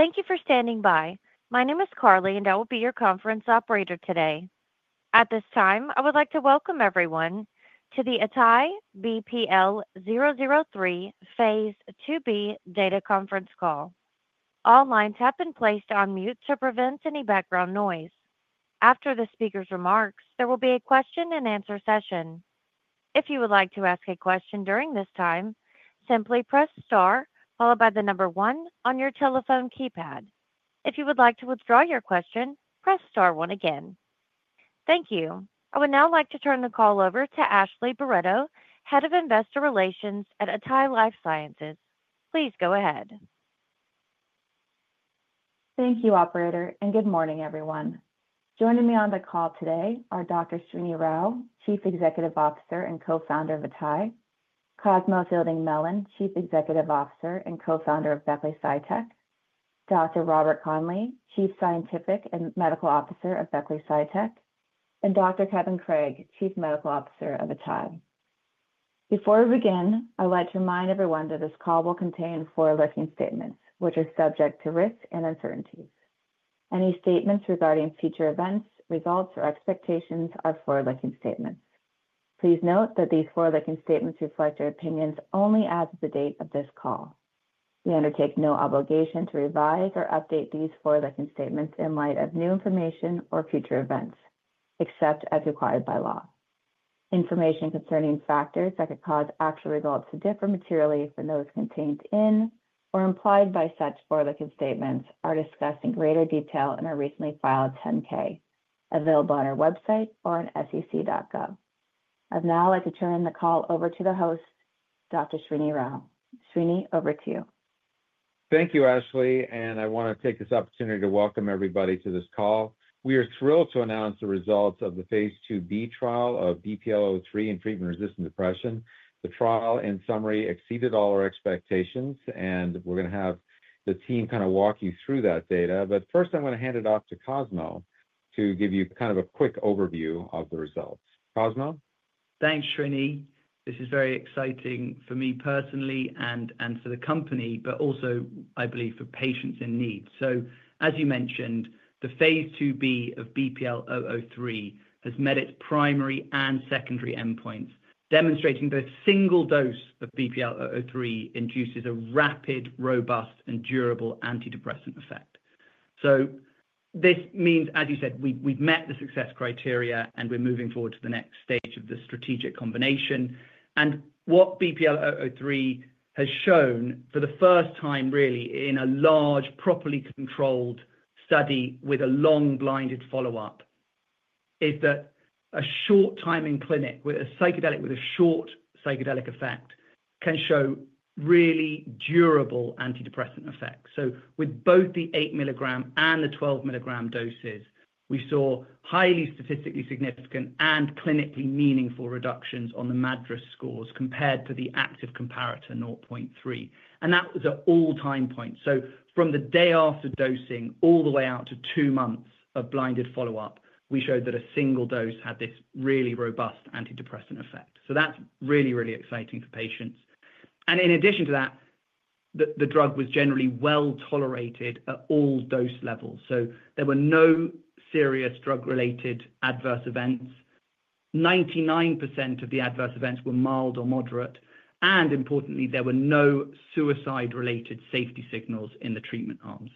Thank you for standing by. My name is Carly, and I will be your conference operator today. At this time, I would like to welcome everyone to the Atai BPL-003 Phase 2B data conference call. All lines have been placed on mute to prevent any background noise. After the speaker's remarks, there will be a question-and-answer session. If you would like to ask a question during this time, simply press star followed by the number one on your telephone keypad. If you would like to withdraw your question, press star one again. Thank you. I would now like to turn the call over to Ashley Barretto, Head of Investor Relations at Atai Life Sciences. Please go ahead. Thank you, Operator, and good morning, everyone. Joining me on the call today are Dr. Srinivas Rao, Chief Executive Officer and Co-founder of Atai; Cosmo Fielding Mellen, Chief Executive Officer and Co-founder of Beckley Psytech; Dr. Robert Conley, Chief Scientific and Medical Officer of Beckley Psytech; and Dr. Kevin Craig, Chief Medical Officer of Atai. Before we begin, I would like to remind everyone that this call will contain forward-looking statements, which are subject to risk and uncertainties. Any statements regarding future events, results, or expectations are forward-looking statements. Please note that these forward-looking statements reflect your opinions only as of the date of this call. We undertake no obligation to revise or update these forward-looking statements in light of new information or future events, except as required by law. Information concerning factors that could cause actual results to differ materially from those contained in or implied by such forward-looking statements are discussed in greater detail in our recently filed 10-K, available on our website or on sec.gov. I'd now like to turn the call over to the host, Dr. Srinivas. Srini, over to you. Thank you, Ashley, and I want to take this opportunity to welcome everybody to this call. We are thrilled to announce the results of the Phase 2B trial of BPL-003 in treatment-resistant depression. The trial, in summary, exceeded all our expectations, and we're going to have the team kind of walk you through that data. 1st, I'm going to hand it off to to give you kind of a quick overview of the results. Cosmo? Thanks, Srini. This is very exciting for me personally and for the company, but also, I believe, for patients in need. As you mentioned, the Phase 2B of BPL-003 has met its primary and 2ndary endpoints, demonstrating the single dose of BPL-003 induces a rapid, robust, and durable antidepressant effect. This means, as you said, we've met the success criteria, and we're moving forward to the next stage of the strategic combination. What BPL-003 has shown for the 1st time, really, in a large, properly controlled study with a long-blinded follow-up, is that a short-timing clinic with a psychedelic with a short psychedelic effect can show really durable antidepressant effects. With both the 8-mg and the 12 mg doses, we saw highly statistically significant and clinically meaningful reductions on the MADRS scores compared to the active comparator 0.3. That was at all time points. From the day after dosing all the way out to two months of blinded follow-up, we showed that a single dose had this really robust antidepressant effect. That is really, really exciting for patients. In addition to that, the drug was generally well tolerated at all dose levels. There were no serious drug-related adverse events. 99% of the adverse events were mild or moderate. Importantly, there were no suicide-related safety signals in the treatment arms.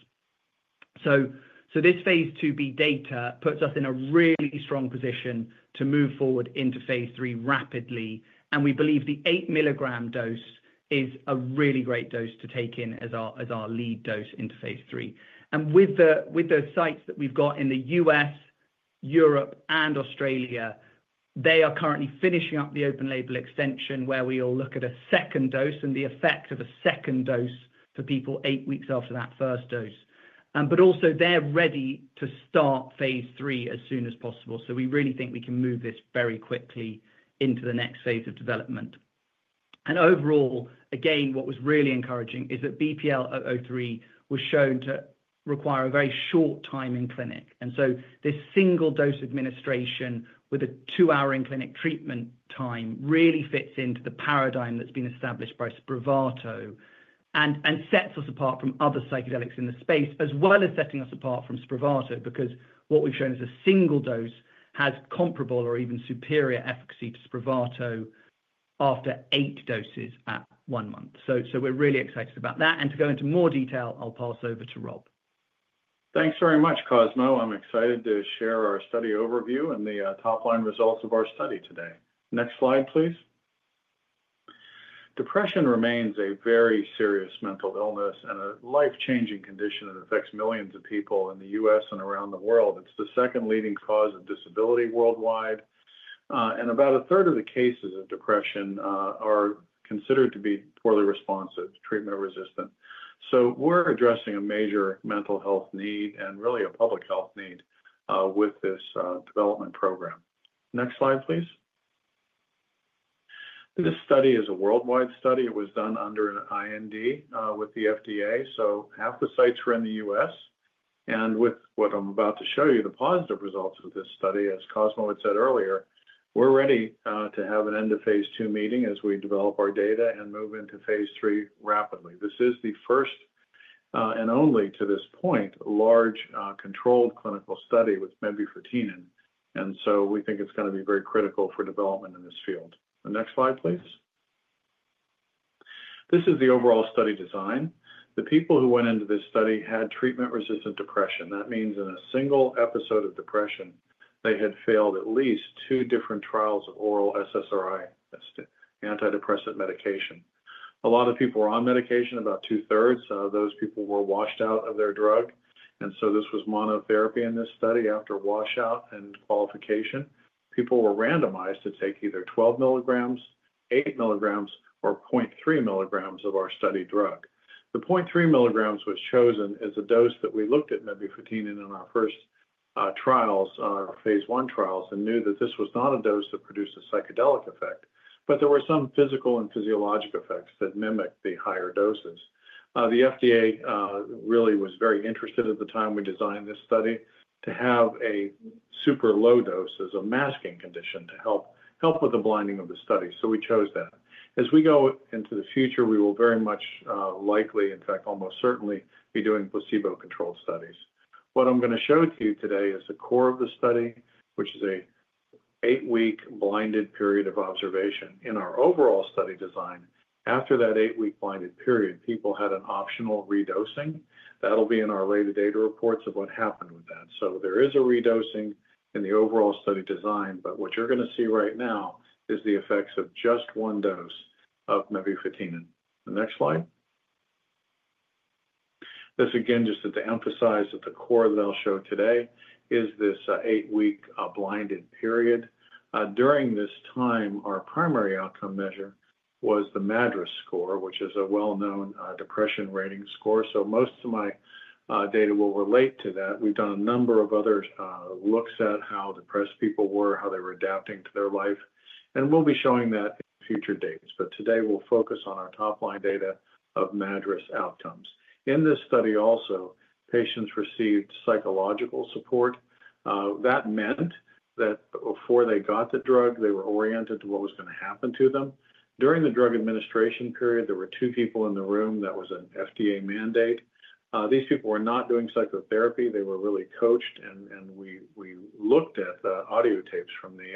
This Phase 2B data puts us in a really strong position to move forward into Phase 3 rapidly. We believe the 8-mg dose is a really great dose to take in as our lead dose into Phase 3. With the sites that we've got in the U.S., Europe, and Australia, they are currently finishing up the open-label extension where we all look at a 2nd dose and the effect of a 2nd dose for people eight weeks after that 1st dose. They are also ready to start Phase 3 as soon as possible. We really think we can move this very quickly into the next Phase of development. Overall, again, what was really encouraging is that BPL-003 was shown to require a very short time in clinic. This single dose administration with a two-hour in-clinic treatment time really fits into the paradigm that's been established by Spravato and sets us apart from other psychedelics in the space, as well as setting us apart from Spravato because what we've shown is a single dose has comparable or even superior efficacy to Spravato after eight doses at one month. We are really excited about that. To go into more detail, I'll pass over to Rob. Thanks very much, Cosmo. I'm excited to share our study overview and the top-line results of our study today. Next slide, please. Depression remains a very serious mental illness and a life-changing condition that affects millions of people in the U.S. and around the world. It is the 2nd leading cause of disability worldwide. About a third of the cases of depression are considered to be poorly responsive, treatment-resistant. We are addressing a major mental health need and really a public health need with this development program. Next slide, please. This study is a worldwide study. It was done under an IND with the FDA. Half the sites were in the U.S. With what I'm about to show you, the positive results of this study, as Cosmo had said earlier, we're ready to have an end-of-Phase 2 meeting as we develop our data and move into Phase 3 rapidly. This is the 1st and only, to this point, large controlled clinical study with mebufotenin. We think it's going to be very critical for development in this field. Next slide, please. This is the overall study design. The people who went into this study had treatment-resistant depression. That means in a single episode of depression, they had failed at least two different trials of oral SSRI antidepressant medication. A lot of people were on medication, about 2/3. Those people were washed out of their drug. This was monotherapy in this study after washout and qualification. People were randomized to take either 12 mgs, 8-mgs, or 0.3 mgs of our study drug. The 0.3 mgs was chosen as a dose that we looked at mebufotenin in our 1st trials, our Phase 1 trials, and knew that this was not a dose that produced a psychedelic effect, but there were some physical and physiologic effects that mimic the higher doses. The FDA really was very interested at the time we designed this study to have a super low dose as a masking condition to help with the blinding of the study. We chose that. As we go into the future, we will very much likely, in fact, almost certainly, be doing placebo-controlled studies. What I'm going to show to you today is the core of the study, which is an eight-week blinded period of observation. In our overall study design, after that eight-week blinded period, people had an optional redosing. That'll be in our later data reports of what happened with that. There is a redosing in the overall study design, but what you're going to see right now is the effects of just one dose of mebufotenin. Next slide. This again, just to emphasize that the core that I'll show today is this eight-week blinded period. During this time, our primary outcome measure was the MADRS score, which is a well-known depression rating score. Most of my data will relate to that. We've done a number of other looks at how depressed people were, how they were adapting to their life. We'll be showing that in future dates. Today, we'll focus on our top-line data of MADRS outcomes. In this study also, patients received psychological support. That meant that before they got the drug, they were oriented to what was going to happen to them. During the drug administration period, there were two people in the room. That was an FDA mandate. These people were not doing psychotherapy. They were really coached. We looked at the audio tapes from the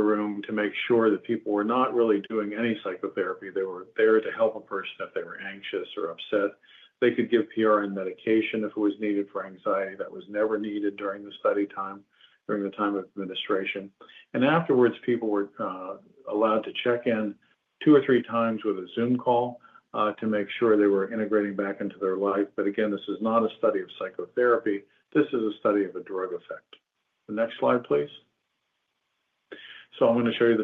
room to make sure that people were not really doing any psychotherapy. They were there to help a person if they were anxious or upset. They could give PRN medication if it was needed for anxiety. That was never needed during the study time, during the time of administration. Afterwards, people were allowed to check in two or three times with a Zoom call to make sure they were integrating back into their life. This is not a study of psychotherapy. This is a study of a drug effect. Next slide, please. I'm going to show you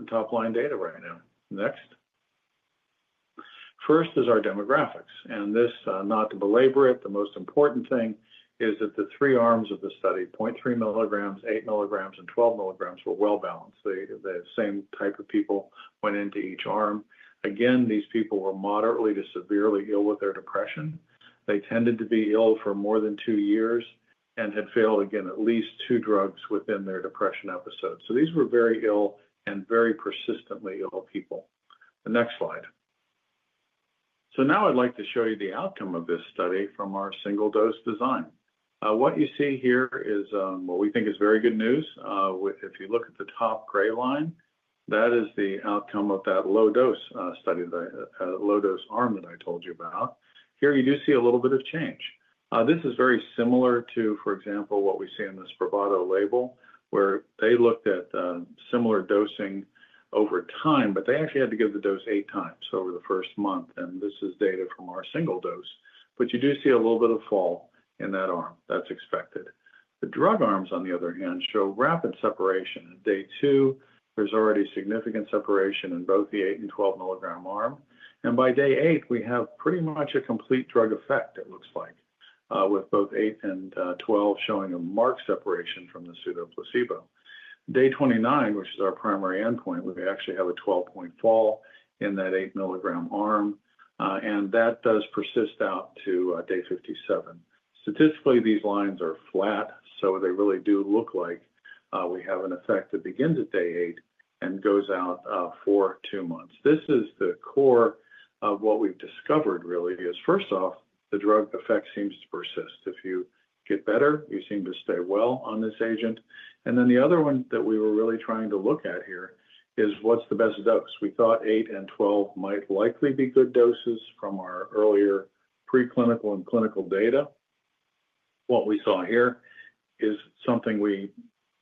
the top-line data right now. Next. 1st is our demographics. Not to belabor it, the most important thing is that the three arms of the study, 0.3 mgs, 8-mgs, and 12 mgs, were well-balanced. The same type of people went into each arm. Again, these people were moderately to severely ill with their depression. They tended to be ill for more than two years and had failed, again, at least two drugs within their depression episodes. These were very ill and very persistently ill people. Next slide. Now I'd like to show you the outcome of this study from our single-dose design. What you see here is what we think is very good news. If you look at the top gray line, that is the outcome of that low-dose study, the low-dose arm that I told you about. Here you do see a little bit of change. This is very similar to, for example, what we see in the Spravato label, where they looked at similar dosing over time, but they actually had to give the dose eight times over the 1st month. This is data from our single dose. You do see a little bit of fall in that arm. That's expected. The drug arms, on the other hand, show rapid separation. Day two, there's already significant separation in both the 8 and 12-mg arm. By day eight, we have pretty much a complete drug effect, it looks like, with both 8 and 12 showing a marked separation from the pseudoplacebo. Day 29, which is our primary endpoint, we actually have a 12-point fall in that 8-mg arm. That does persist out to day 57. Statistically, these lines are flat, so they really do look like we have an effect that begins at day eight and goes out for two months. This is the core of what we've discovered, really, is 1st off, the drug effect seems to persist. If you get better, you seem to stay well on this agent. The other one that we were really trying to look at here is what's the best dose. We thought 8 and 12 might likely be good doses from our earlier preclinical and clinical data. What we saw here is something we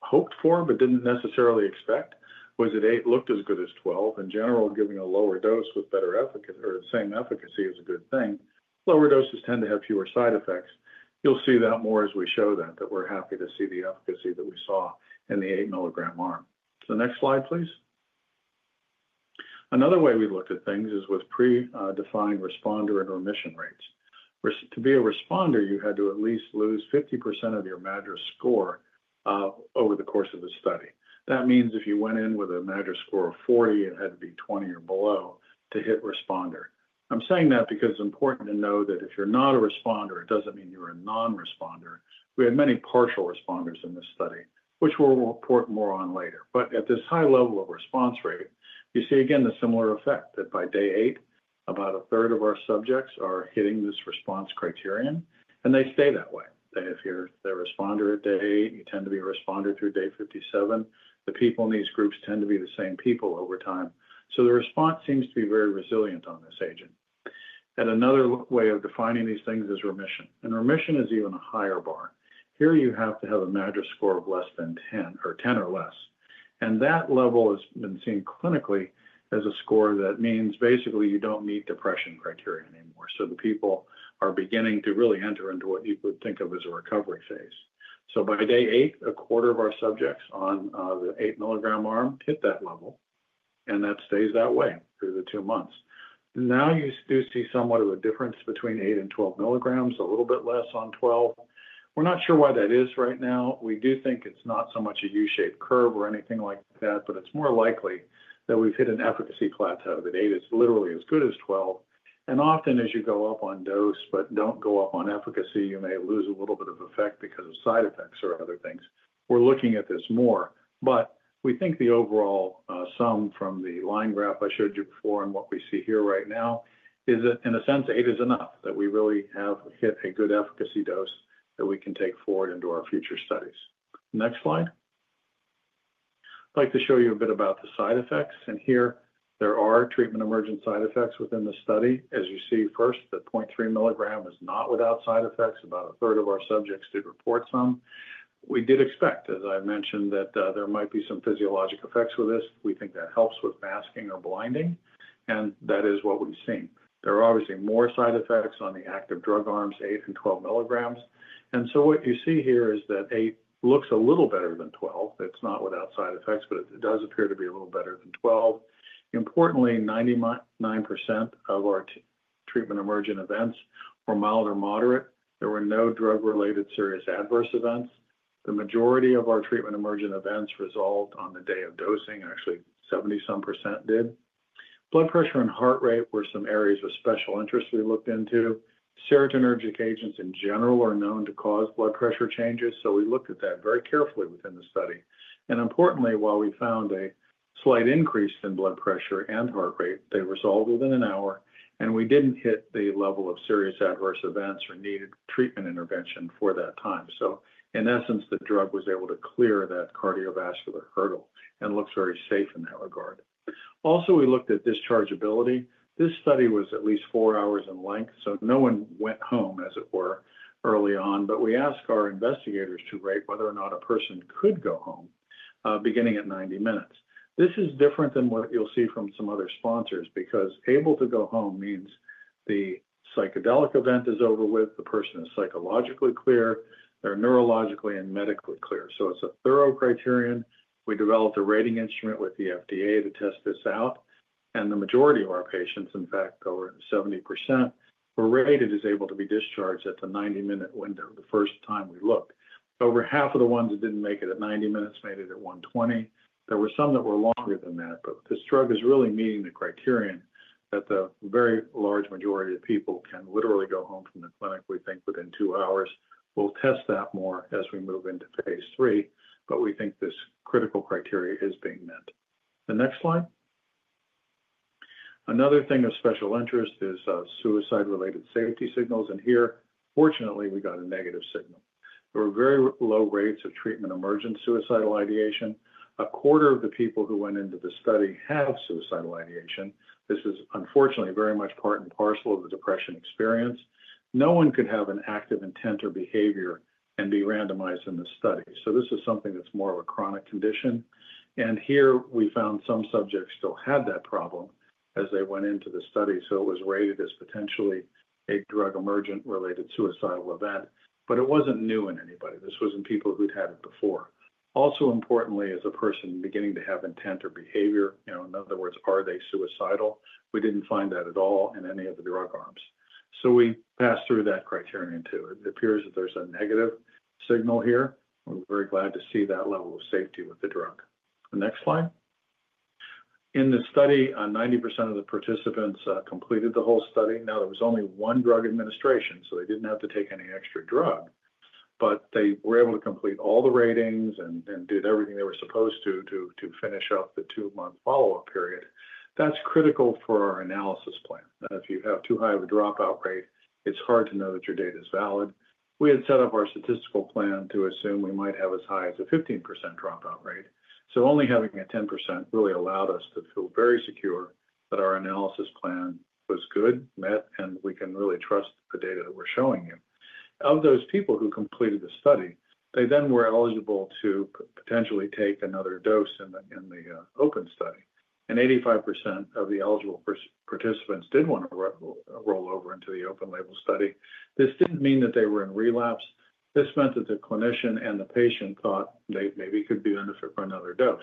hoped for but didn't necessarily expect, was that 8 looked as good as 12. In general, giving a lower dose with better efficacy or the same efficacy is a good thing. Lower doses tend to have fewer side effects. You'll see that more as we show that, that we're happy to see the efficacy that we saw in the 8-mg arm. Next slide, please. Another way we looked at things is with predefined responder and remission rates. To be a responder, you had to at least lose 50% of your MADRS score over the course of the study. That means if you went in with a MADRS score of 40, it had to be 20 or below to hit responder. I'm saying that because it's important to know that if you're not a responder, it doesn't mean you're a non-responder. We had many partial responders in this study, which we'll report more on later. At this high level of response rate, you see again the similar effect that by day eight, about a third of our subjects are hitting this response criterion. They stay that way. They have here their responder at day eight. You tend to be a responder through day 57. The people in these groups tend to be the same people over time. The response seems to be very resilient on this agent. Another way of defining these things is remission. Remission is even a higher bar. Here you have to have a MADRS score of 10 or less. That level has been seen clinically as a score that means basically you do not meet depression criteria anymore. The people are beginning to really enter into what you would think of as a recovery Phase. By day eight, a quarter of our subjects on the 8 mg arm hit that level. That stays that way through the two months. Now you do see somewhat of a difference between 8 and 12 mgs, a little bit less on 12. We're not sure why that is right now. We do think it's not so much a U-shaped curve or anything like that, but it's more likely that we've hit an efficacy plateau that 8 is literally as good as 12. And often, as you go up on dose but don't go up on efficacy, you may lose a little bit of effect because of side effects or other things. We're looking at this more. But we think the overall sum from the line graph I showed you before and what we see here right now is that, in a sense, 8 is enough, that we really have hit a good efficacy dose that we can take forward into our future studies. Next slide. I'd like to show you a bit about the side effects. Here, there are treatment-emergent side effects within the study. As you see, 1st, the 0.3 mg is not without side effects. About a third of our subjects did report some. We did expect, as I mentioned, that there might be some physiologic effects with this. We think that helps with masking or blinding. That is what we've seen. There are obviously more side effects on the active drug arms, 8 and 12 mgs. What you see here is that 8 looks a little better than 12. It's not without side effects, but it does appear to be a little better than 12. Importantly, 99% of our treatment-emergent events were mild or moderate. There were no drug-related serious adverse events. The majority of our treatment-emergent events resolved on the day of dosing. Actually, 70-some percent did. Blood pressure and heart rate were some areas of special interest we looked into. Serotonergic agents in general are known to cause blood pressure changes. We looked at that very carefully within the study. Importantly, while we found a slight increase in blood pressure and heart rate, they resolved within an hour. We did not hit the level of serious adverse events or needed treatment intervention for that time. In essence, the drug was able to clear that cardiovascular hurdle and looks very safe in that regard. Also, we looked at dischargeability. This study was at least four hours in length. No one went home, as it were, early on. We asked our investigators to rate whether or not a person could go home beginning at 90 minutes. This is different than what you'll see from some other sponsors because able to go home means the psychedelic event is over with, the person is psychologically clear, they're neurologically and medically clear. It is a thorough criterion. We developed a rating instrument with the FDA to test this out. The majority of our patients, in fact, over 70%, were rated as able to be discharged at the 90-minute window the 1st time we looked. Over half of the ones that didn't make it at 90 minutes made it at 120. There were some that were longer than that. This drug is really meeting the criterion that the very large majority of people can literally go home from the clinic, we think, within two hours. We'll test that more as we move into Phase 3, but we think this critical criteria is being met. The next slide. Another thing of special interest is suicide-related safety signals. Here, fortunately, we got a negative signal. There were very low rates of treatment-emergent suicidal ideation. A quarter of the people who went into the study have suicidal ideation. This is, unfortunately, very much part and parcel of the depression experience. No one could have an active intent or behavior and be randomized in the study. This is something that's more of a chronic condition. Here, we found some subjects still had that problem as they went into the study. It was rated as potentially a drug-emergent-related suicidal event. It was not new in anybody. This was in people who had it before. Also, importantly, as a person beginning to have intent or behavior, in other words, are they suicidal? We did not find that at all in any of the drug arms. We passed through that criterion too. It appears that there's a negative signal here. We're very glad to see that level of safety with the drug. Next slide. In the study, 90% of the participants completed the whole study. There was only one drug administration, so they did not have to take any extra drug. They were able to complete all the ratings and did everything they were supposed to to finish up the two-month follow-up period. That's critical for our analysis plan. If you have too high of a dropout rate, it's hard to know that your data is valid. We had set up our statistical plan to assume we might have as high as a 15% dropout rate. Only having a 10% really allowed us to feel very secure that our analysis plan was good, met, and we can really trust the data that we're showing you. Of those people who completed the study, they then were eligible to potentially take another dose in the open study. And 85% of the eligible participants did want to roll over into the open-label study. This did not mean that they were in relapse. This meant that the clinician and the patient thought they maybe could benefit from another dose.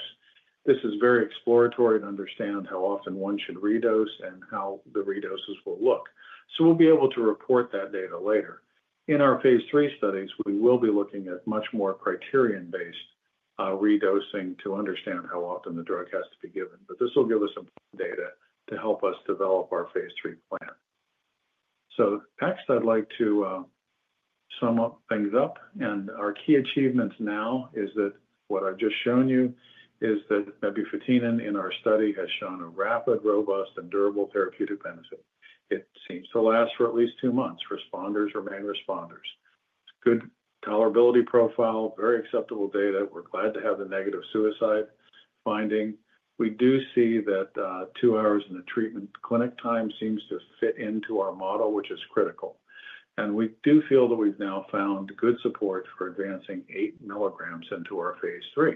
This is very exploratory to understand how often one should redose and how the redoses will look. We will be able to report that data later. In our Phase 3 studies, we will be looking at much more criterion-based redosing to understand how often the drug has to be given. This will give us some data to help us develop our Phase 3 plan. Next, I'd like to sum things up. Our key achievements now are that what I've just shown you is that buprenorphine in our study has shown a rapid, robust, and durable therapeutic benefit. It seems to last for at least two months. Responders remain responders. Good tolerability profile, very acceptable data. We're glad to have the negative suicide finding. We do see that two hours in the treatment clinic time seems to fit into our model, which is critical. We do feel that we've now found good support for advancing 8-mgs into our Phase 3.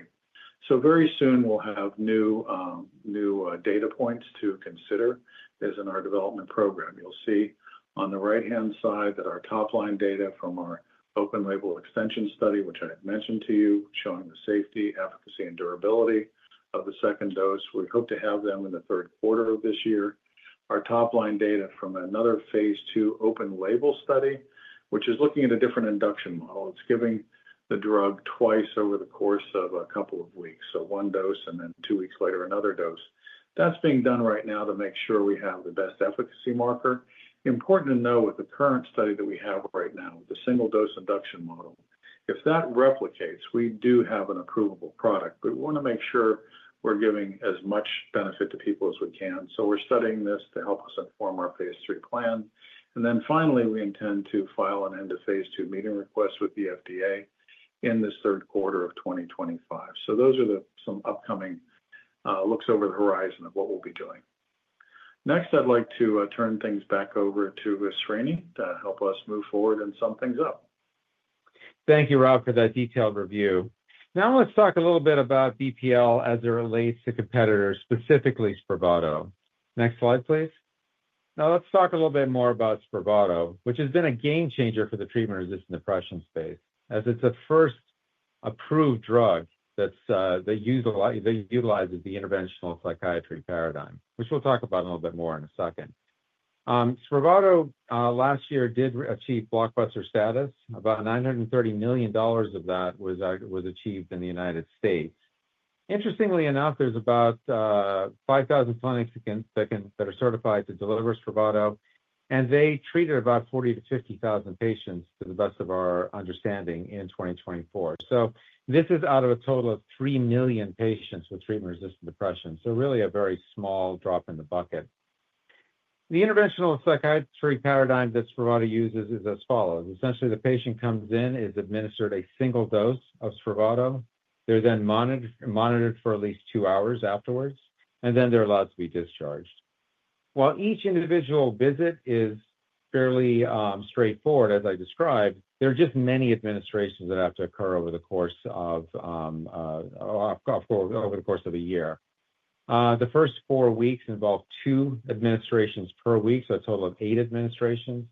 Very soon, we'll have new data points to consider as in our development program. You'll see on the right-hand side that our top-line data from our open-label extension study, which I had mentioned to you, showing the safety, efficacy, and durability of the 2nd dose. We hope to have them in the third quarter of this year. Our top-line data from another Phase 2 open-label study, which is looking at a different induction model. It's giving the drug twice over the course of a couple of weeks. One dose and then two weeks later, another dose. That's being done right now to make sure we have the best efficacy marker. Important to know with the current study that we have right now, the single-dose induction model, if that replicates, we do have an approvable product. We want to make sure we're giving as much benefit to people as we can. We're studying this to help us inform our Phase 3 plan. Finally, we intend to file an end-of-Phase 2 meeting request with the FDA in the third quarter of 2025. Those are some upcoming looks over the horizon of what we'll be doing. Next, I'd like to turn things back over to Srinivas to help us move forward and sum things up. Thank you, Rob, for that detailed review. Now, let's talk a little bit about BPL as it relates to competitors, specifically Spravato. Next slide, please. Now, let's talk a little bit more about Spravato, which has been a game changer for the treatment-resistant depression space, as it's the 1st approved drug that utilizes the interventional psychiatry paradigm, which we'll talk about a little bit more in a 2nd. Spravato, last year, did achieve blockbuster status. About $930 million of that was achieved in the United States. Interestingly enough, there's about 5,000 clinics that are certified to deliver Spravato. They treated about 40,000-50,000 patients, to the best of our understanding, in 2024. This is out of a total of 3 million patients with treatment-resistant depression. Really a very small drop in the bucket. The interventional psychiatry paradigm that Spravato uses is as follows. Essentially, the patient comes in, is administered a single dose of Spravato. They're then monitored for at least two hours afterwards. They're allowed to be discharged. While each individual visit is fairly straightforward, as I described, there are just many administrations that have to occur over the course of a year. The 1st four weeks involve two administrations per week, so a total of eight administrations.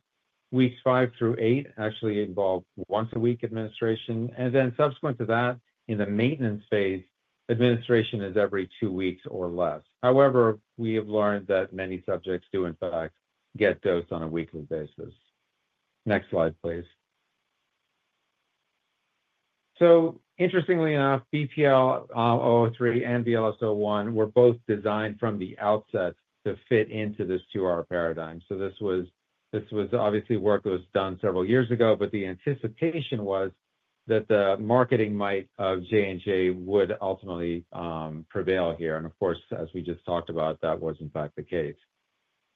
Weeks five through eight actually involve once-a-week administration. Then subsequent to that, in the maintenance Phase, administration is every two weeks or less. However, we have learned that many subjects do, in fact, get dosed on a weekly basis. Next slide, please. Interestingly enough, BPL-003 and BLS-01 were both designed from the outset to fit into this two-hour paradigm. This was obviously work that was done several years ago. The anticipation was that the marketing might of J&J would ultimately prevail here. Of course, as we just talked about, that was, in fact, the case.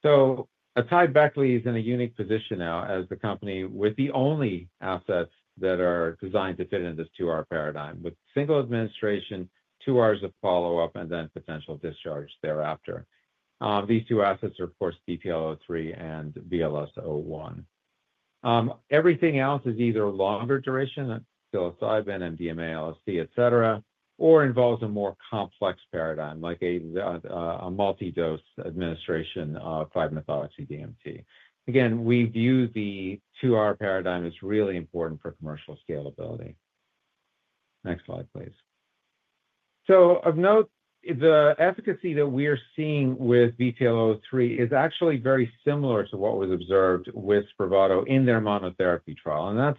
Atai Beckley is in a unique position now as the company with the only assets that are designed to fit into this two-hour paradigm, with single administration, two hours of follow-up, and then potential discharge thereafter. These two assets are, of course, BPL-003 and BLS-01. Everything else is either longer duration, still a Sybin, MDMA, LSD, etc., or involves a more complex paradigm, like a multi-dose administration of 5-MeO-DMT. Again, we view the two-hour paradigm as really important for commercial scalability. Next slide, please. Of note, the efficacy that we are seeing with BPL-003 is actually very similar to what was observed with Spravato in their monotherapy trial. That is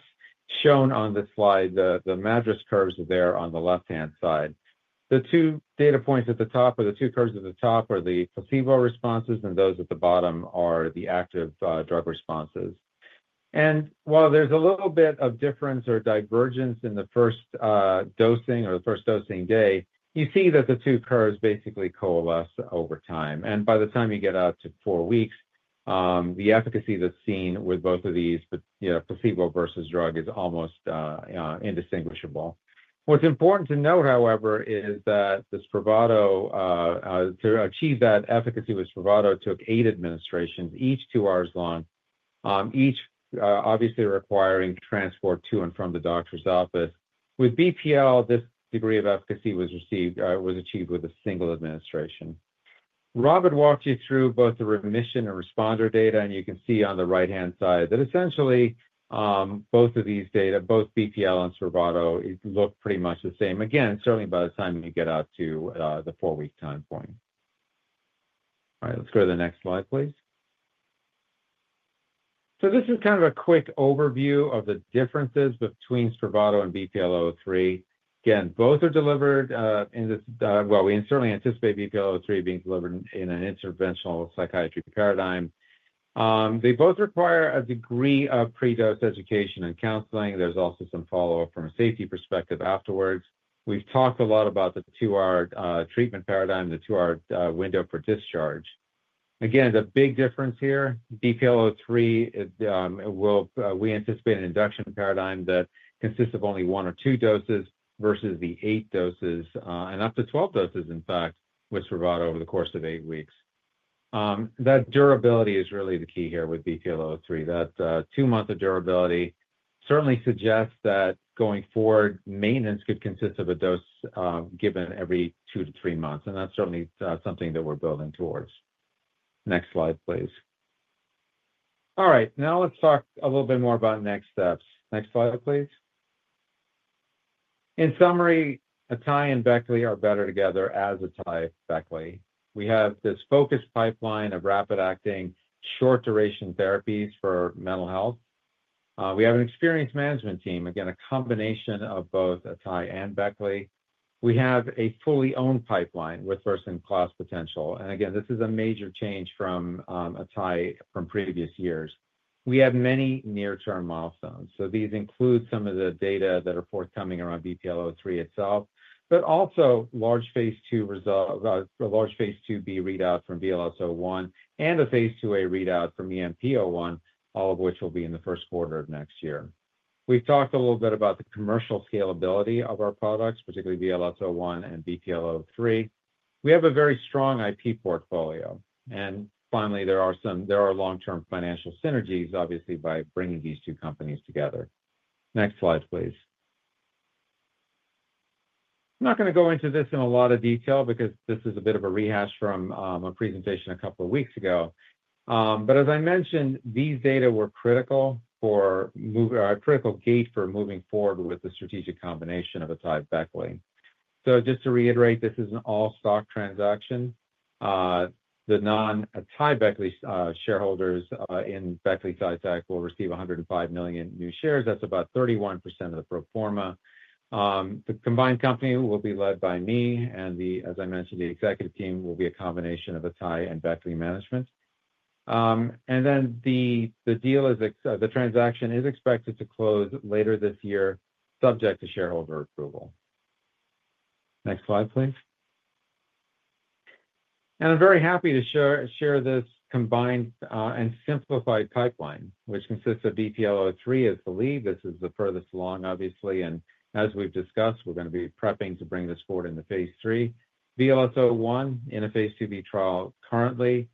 shown on the slide. The MADRS curves are there on the left-hand side. The two data points at the top or the two curves at the top are the placebo responses, and those at the bottom are the active drug responses. While there is a little bit of difference or divergence in the 1st dosing or the 1st dosing day, you see that the two curves basically coalesce over time. By the time you get out to four weeks, the efficacy that's seen with both of these, placebo versus drug, is almost indistinguishable. What's important to note, however, is that to achieve that efficacy with Spravato, it took eight administrations, each two hours long, each obviously requiring transport to and from the doctor's office. With BPL, this degree of efficacy was achieved with a single administration. Rob had walked you through both the remission and responder data. You can see on the right-hand side that essentially both of these data, both BPL and Spravato, look pretty much the same, again, certainly by the time you get out to the four-week time point. All right. Let's go to the next slide, please. This is kind of a quick overview of the differences between Spravato and BPL-003. Again, both are delivered in this, well, we certainly anticipate BPL-003 being delivered in an interventional psychiatry paradigm. They both require a degree of predose education and counseling. There's also some follow-up from a safety perspective afterwards. We've talked a lot about the two-hour treatment paradigm, the two-hour window for discharge. Again, the big difference here, BPL-003, we anticipate an induction paradigm that consists of only one or two doses versus the eight doses and up to 12 doses, in fact, with Spravato over the course of eight weeks. That durability is really the key here with BPL-003. That two-month durability certainly suggests that going forward, maintenance could consist of a dose given every two to three months. And that's certainly something that we're building towards. Next slide, please. All right. Now, let's talk a little bit more about next steps. Next slide, please. In summary, Atai and Beckley are better together as Atai Beckley. We have this focused pipeline of rapid-acting, short-duration therapies for mental health. We have an experienced management team, again, a combination of both Atai and Beckley. We have a fully owned pipeline with 1st-in-class potential. This is a major change from Atai from previous years. We have many near-term milestones. These include some of the data that are forthcoming around BPL-003 itself, but also large Phase 2B readout from BLS-01 and a Phase 2A readout from EMP-01, all of which will be in the 1st quarter of next year. We have talked a little bit about the commercial scalability of our products, particularly BLS-01 and BPL-003. We have a very strong IP portfolio. Finally, there are long-term financial synergies, obviously, by bringing these two companies together. Next slide, please. I'm not going to go into this in a lot of detail because this is a bit of a rehash from a presentation a couple of weeks ago. As I mentioned, these data were critical for a critical gate for moving forward with the strategic combination of Atai Beckley. Just to reiterate, this is an all-stock transaction. The non-Atai Beckley shareholders in Beckley Psytech will receive 105 million new shares. That's about 31% of the pro forma. The combined company will be led by me. As I mentioned, the executive team will be a combination of Atai and Beckley management. The transaction is expected to close later this year, subject to shareholder approval. Next slide, please. I'm very happy to share this combined and simplified pipeline, which consists of BPL-003 as the lead. This is the furthest along, obviously. As we've discussed, we're going to be prepping to bring this forward in the Phase 3. BLS-01 in a Phase 2B trial currently.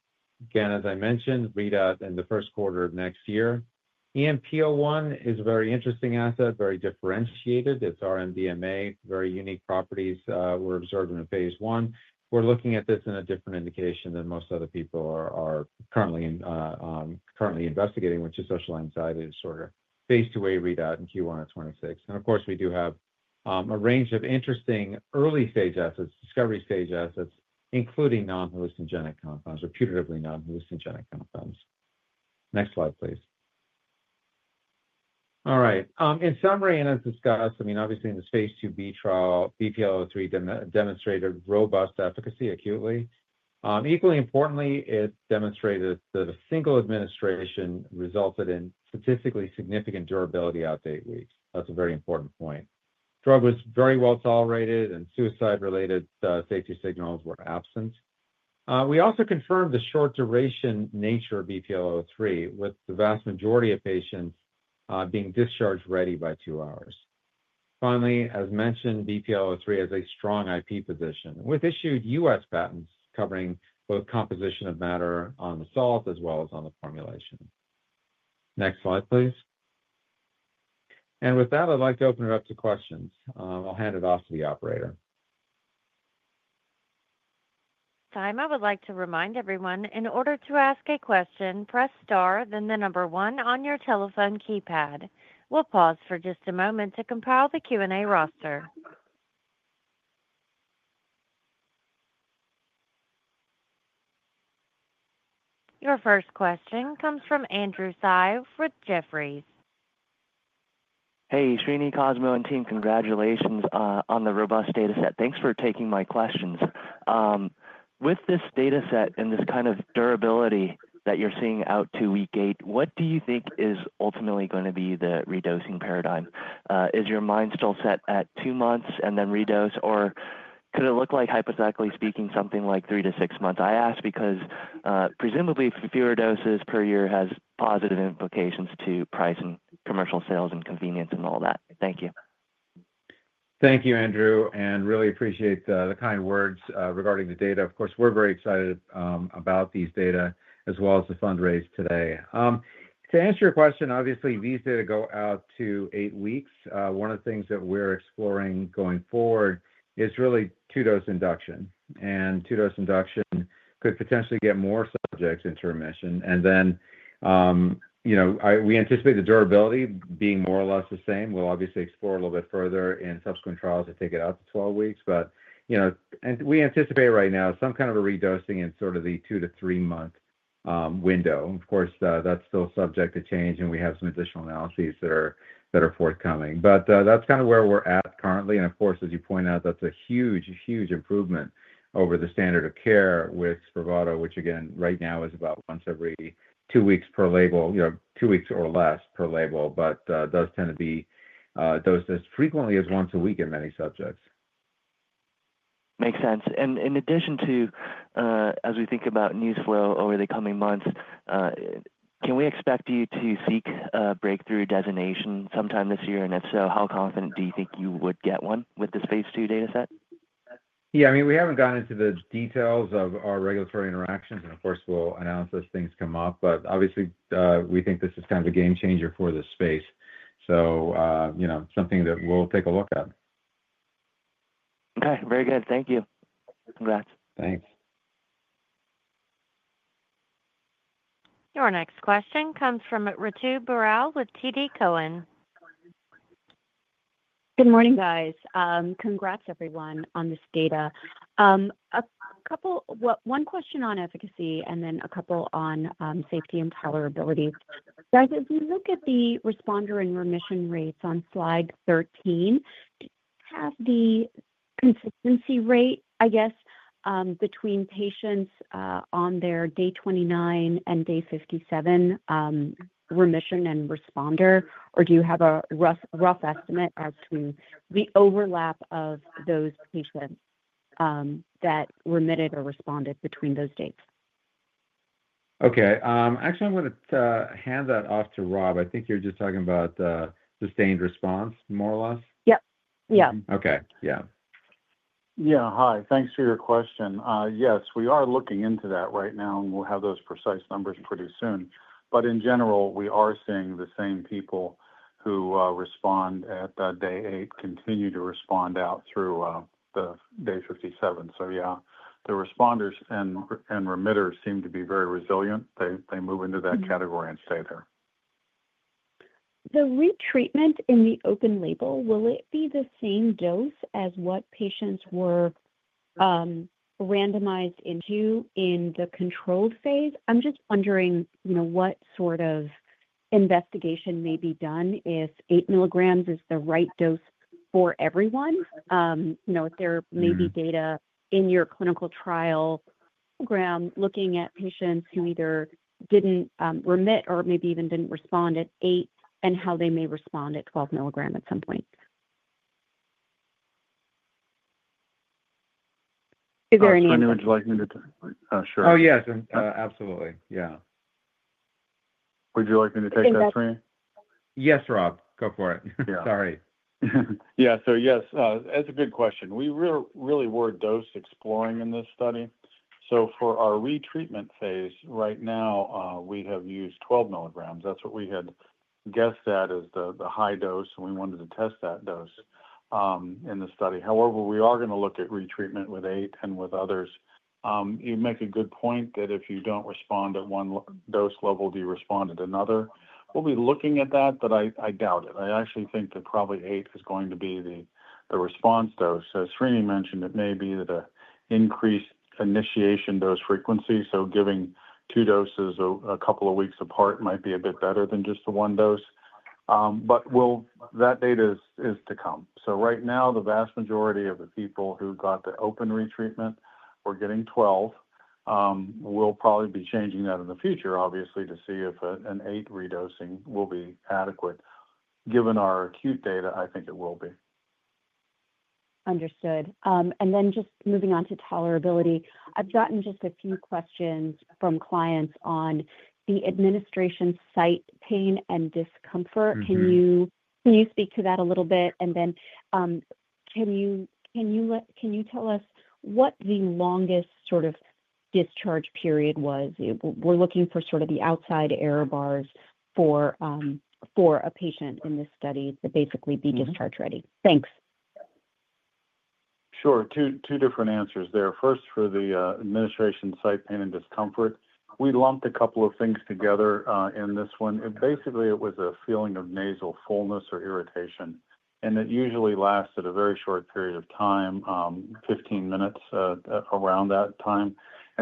Again, as I mentioned, readout in the 1st quarter of next year. EMP-01 is a very interesting asset, very differentiated. It's R-MDMA, very unique properties were observed in the Phase 1. We're looking at this in a different indication than most other people are currently investigating, which is social anxiety disorder, Phase 2A readout in Q1 of 2026. Of course, we do have a range of interesting early-stage assets, discovery-stage assets, including non-hallucinogenic compounds, reputatively non-hallucinogenic compounds. Next slide, please. All right. In summary, and as discussed, I mean, obviously, in the Phase 2B trial, BPL-003 demonstrated robust efficacy acutely. Equally importantly, it demonstrated that a single administration resulted in statistically significant durability out to eight weeks. That's a very important point. Drug was very well tolerated, and suicide-related safety signals were absent. We also confirmed the short-duration nature of BPL-003, with the vast majority of patients being discharge-ready by two hours. Finally, as mentioned, BPL-003 has a strong IP position, with issued US patents covering both composition of matter on the salt as well as on the formulation. Next slide, please. With that, I'd like to open it up to questions. I'll hand it off to the operator. Atai, I would like to remind everyone, in order to ask a question, press star, then the number one on your telephone keypad. We'll pause for just a moment to compile the Q&A roster. Your 1st question comes from Andrew Tsai with Jefferies. Hey, Srinivas, Cosmo, and team, congratulations on the robust data set. Thanks for taking my questions. With this data set and this kind of durability that you're seeing out to week eight, what do you think is ultimately going to be the redosing paradigm? Is your mind still set at two months and then redose? Or could it look like, hypothetically speaking, something like three to six months? I ask because presumably fewer doses per year has positive implications to price and commercial sales and convenience and all that. Thank you. Thank you, Andrew. I really appreciate the kind words regarding the data. Of course, we're very excited about these data as well as the fundraise today. To answer your question, obviously, these data go out to eight weeks. One of the things that we're exploring going forward is really two-dose induction. Two-dose induction could potentially get more subjects into remission. We anticipate the durability being more or less the same. We'll obviously explore a little bit further in subsequent trials to take it out to 12 weeks. We anticipate right now some kind of a redosing in sort of the two to three-month window. Of course, that's still subject to change. We have some additional analyses that are forthcoming. That's kind of where we're at currently. Of course, as you point out, that's a huge, huge improvement over the standard of care with Spravato, which, again, right now is about once every two weeks per label, two weeks or less per label, but does tend to be dosed as frequently as once a week in many subjects. Makes sense. In addition to, as we think about news flow over the coming months, can we expect you to seek a breakthrough designation sometime this year? If so, how confident do you think you would get one with this Phase 2 data set? Yeah. I mean, we haven't gone into the details of our regulatory interactions. Of course, we'll announce as things come up. Obviously, we think this is kind of a game changer for the space, so something that we'll take a look at. Okay. Very good. Thank you. Congrats. Thanks. Your next question comes from Ritu Barretto with TD Cowen. Good morning, guys. Congrats, everyone, on this data. 1 question on efficacy and then a couple on safety and tolerability. Guys, if you look at the responder and remission rates on slide 13, do you have the consistency rate, I guess, between patients on their day 29 and day 57 remission and responder? Or do you have a rough estimate as to the overlap of those patients that remitted or responded between those dates? Okay. Actually, I'm going to hand that off to Rob. I think you're just talking about sustained response, more or less. Yep. Yeah. Okay. Yeah. Yeah. Hi. Thanks for your question. Yes, we are looking into that right now. We will have those precise numbers pretty soon. In general, we are seeing the same people who respond at day eight continue to respond out through day 57. Yeah, the responders and remitters seem to be very resilient. They move into that category and stay there. The retreatment in the open label, will it be the same dose as what patients were randomized into in the controlled Phase? I'm just wondering what sort of investigation may be done if 8-mgs is the right dose for everyone. If there may be data in your clinical trial looking at patients who either didn't remit or maybe even didn't respond at 8 and how they may respond at 12 mg at some point. Is there any other question? Oh, yeah. Absolutely. Yeah. Would you like me to take that for you? Yes, Rob. Go for it. Yeah. Sorry. Yeah. Yes, that's a good question. We really were dose exploring in this study. For our retreatment Phase right now, we have used 12 mgs. That's what we had guessed as the high dose, and we wanted to test that dose in the study. However, we are going to look at retreatment with 8 and with others. You make a good point that if you do not respond at 1 dose level, do you respond at another? We'll be looking at that, but I doubt it. I actually think that probably 8 is going to be the response dose. As Srini mentioned, it may be that an increased initiation dose frequency, giving two doses a couple of weeks apart, might be a bit better than just the 1 dose. That data is to come. Right now, the vast majority of the people who got the open retreatment were getting 12. We'll probably be changing that in the future, obviously, to see if an 8 redosing will be adequate. Given our acute data, I think it will be. Understood. And then just moving on to tolerability, I've gotten just a few questions from clients on the administration site pain and discomfort. Can you speak to that a little bit? And then can you tell us what the longest sort of discharge period was? We're looking for sort of the outside error bars for a patient in this study to basically be discharge-ready. Thanks. Sure. 2 different answers there. 1st, for the administration site pain and discomfort, we lumped a couple of things together in this one. Basically, it was a feeling of nasal fullness or irritation. It usually lasted a very short period of time, 15 minutes around that time.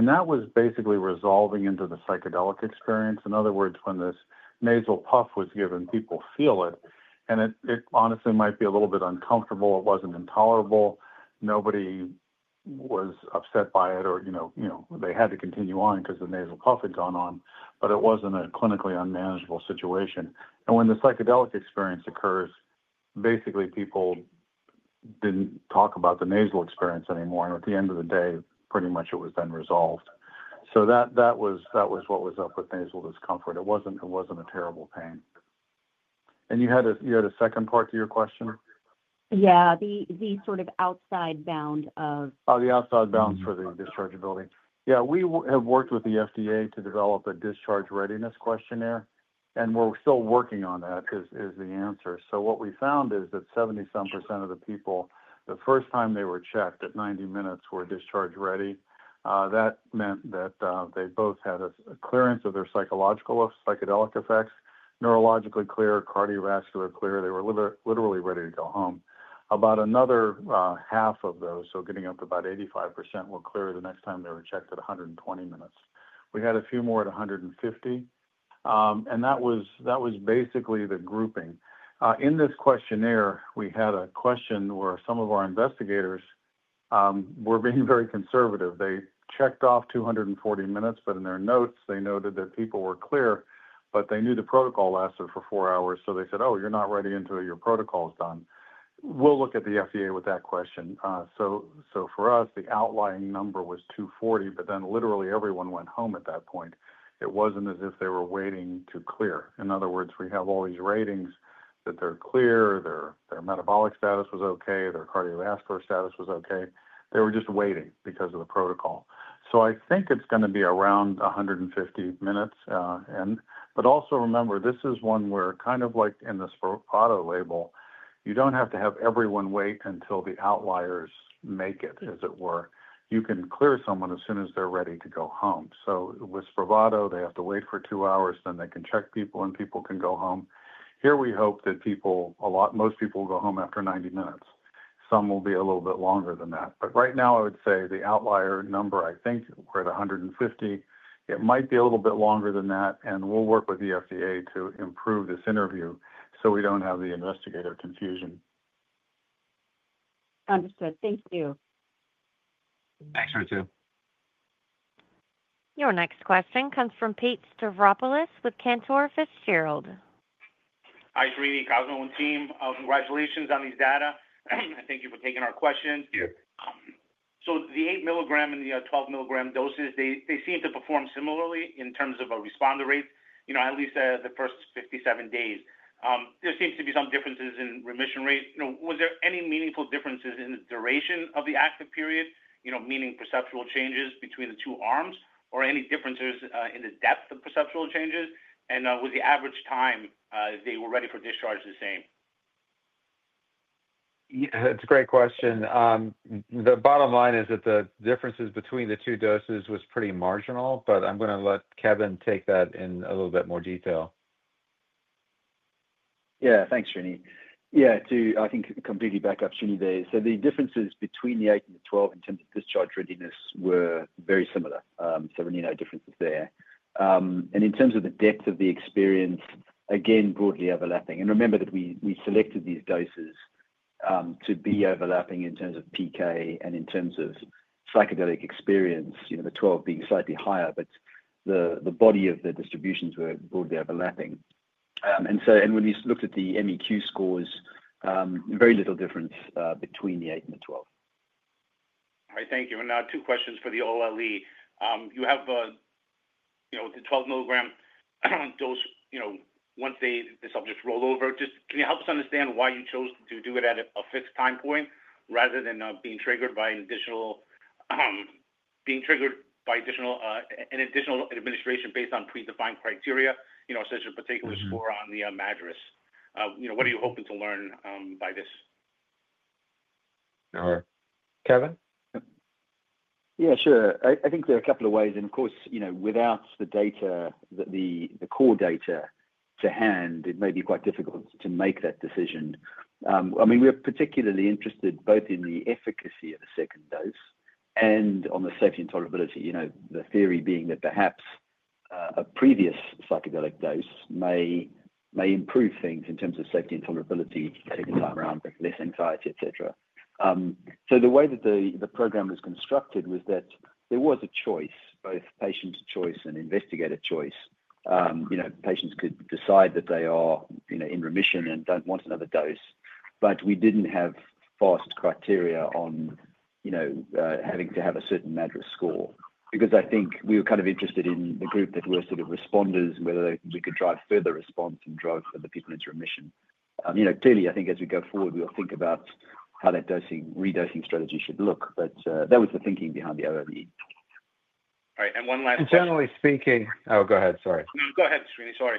That was basically resolving into the psychedelic experience. In other words, when this nasal puff was given, people feel it. It honestly might be a little bit uncomfortable. It was not intolerable. Nobody was upset by it, or they had to continue on because the nasal puff had gone on. It was not a clinically unmanageable situation. When the psychedelic experience occurs, basically, people did not talk about the nasal experience anymore. At the end of the day, pretty much it was then resolved. That was what was up with nasal discomfort. It was not a terrible pain. You had a 2nd part to your question? Yeah. The sort of outside bound of. Oh, the outside bounds for the dischargeability. Yeah. We have worked with the FDA to develop a discharge readiness questionnaire. And we're still working on that is the answer. What we found is that 70-some % of the people, the 1st time they were checked at 90 minutes, were discharge-ready. That meant that they both had a clearance of their psychological or psychedelic effects, neurologically clear, cardiovascular clear. They were literally ready to go home. About another half of those, so getting up to about 85%, were clear the next time they were checked at 120 minutes. We had a few more at 150. That was basically the grouping. In this questionnaire, we had a question where some of our investigators were being very conservative. They checked off 240 minutes. In their notes, they noted that people were clear, but they knew the protocol lasted for four hours. They said, "Oh, you're not ready into it. Your protocol is done." We'll look at the FDA with that question. For us, the outlying number was 240. Then literally, everyone went home at that point. It wasn't as if they were waiting to clear. In other words, we have all these ratings that they're clear, their metabolic status was okay, their cardiovascular status was okay. They were just waiting because of the protocol. I think it's going to be around 150 minutes. Also remember, this is one where, kind of like in the Spravato label, you don't have to have everyone wait until the outliers make it, as it were. You can clear someone as soon as they're ready to go home. With Spravato, they have to wait for two hours. Then they can check people, and people can go home. Here, we hope that most people will go home after 90 minutes. Some will be a little bit longer than that. Right now, I would say the outlier number, I think, we're at 150. It might be a little bit longer than that. We'll work with the FDA to improve this interview so we don't have the investigator confusion. Understood. Thank you. Thanks, Ritu. Your next question comes from Pete Stavropulos with Cantor Fitzgerald. Hi, Srinivas, Cosmo, and team. Congratulations on these data. Thank you for taking our questions. The 8-mg and the 12 mg doses, they seem to perform similarly in terms of responder rates, at least the 1st 57 days. There seems to be some differences in remission rate. Was there any meaningful differences in the duration of the active period, meaning perceptual changes between the two arms, or any differences in the depth of perceptual changes? Was the average time they were ready for discharge the same? Yeah. That's a great question. The bottom line is that the differences between the two doses were pretty marginal. I'm going to let Kevin take that in a little bit more detail. Yeah. Thanks, Srinivas. Yeah. Too, I think completely back up Srinivas. The differences between the 8 and the 12 in terms of discharge readiness were very similar. We need no differences there. In terms of the depth of the experience, again, broadly overlapping. Remember that we selected these doses to be overlapping in terms of PK and in terms of psychedelic experience, the 12 being slightly higher. The body of the distributions were broadly overlapping. When we looked at the MEQ scores, very little difference between the 8 and the 12. All right. Thank you. Now two questions for the OLLE. You have the 12 mg dose once the subjects roll over. Can you help us understand why you chose to do it at a fixed time point rather than being triggered by an additional administration based on predefined criteria, such as a particular score on the MADRS? What are you hoping to learn by this? All right. Kevin? Yeah. Sure. I think there are a couple of ways. Of course, without the data, the core data to hand, it may be quite difficult to make that decision. I mean, we're particularly interested both in the efficacy of the 2nd dose and on the safety and tolerability, the theory being that perhaps a previous psychedelic dose may improve things in terms of safety and tolerability, taking time around, less anxiety, etc. The way that the program was constructed was that there was a choice, both patient choice and investigator choice. Patients could decide that they are in remission and do not want another dose. We did not have fast criteria on having to have a certain MADRS score. I think we were kind of interested in the group that were sort of responders, whether we could drive further response and drove other people into remission. Clearly, I think as we go forward, we'll think about how that redosing strategy should look. That was the thinking behind the OLLE. All right. One last question. Generally speaking, oh, go ahead. Sorry. No. Go ahead, Srinivas. Sorry.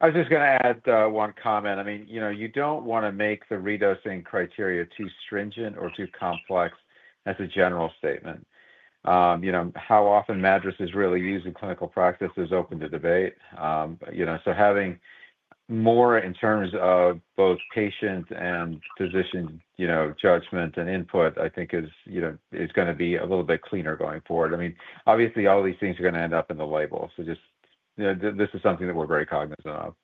I was just going to add one comment. I mean, you don't want to make the redosing criteria too stringent or too complex as a general statement. How often MADRS is really used in clinical practice is open to debate. So having more in terms of both patient and physician judgment and input, I think, is going to be a little bit cleaner going forward. I mean, obviously, all these things are going to end up in the label. This is something that we're very cognizant of.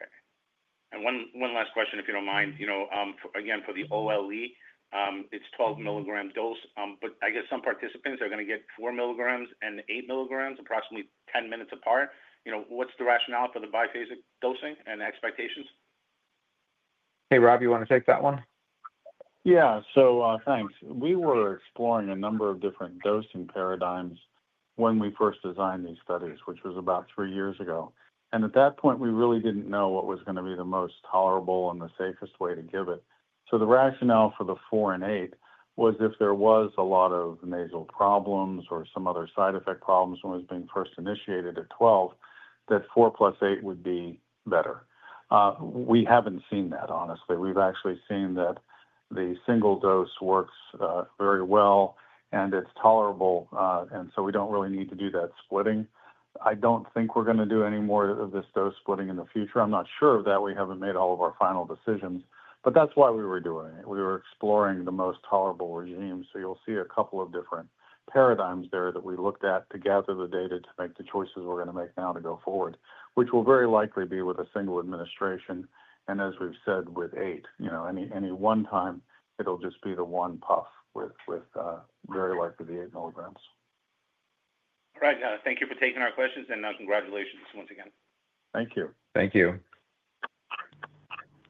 Okay. And 1 last question, if you don't mind. Again, for the OLLE, it's 12 mg dose. I guess some participants are going to get 4 mgs and 8-mgs approximately 10 minutes apart. What's the rationale for the biphasic dosing and expectations? Hey, Rob, you want to take that one? Yeah. Thanks. We were exploring a number of different dosing paradigms when we 1st designed these studies, which was about three years ago. At that point, we really did not know what was going to be the most tolerable and the safest way to give it. The rationale for the 4 and 8 was if there was a lot of nasal problems or some other side effect problems when it was being 1st initiated at 12, that 4 plus 8 would be better. We have not seen that, honestly. We have actually seen that the single dose works very well. It is tolerable. We do not really need to do that splitting. I do not think we are going to do any more of this dose splitting in the future. I am not sure of that. We have not made all of our final decisions. That is why we were doing it. We were exploring the most tolerable regime. You will see a couple of different paradigms there that we looked at to gather the data to make the choices we are going to make now to go forward, which will very likely be with a single administration. As we have said, with 8, any 1 time, it will just be the one puff with very likely the 8-mgs. All right. Thank you for taking our questions. Congratulations once again. Thank you. Thank you.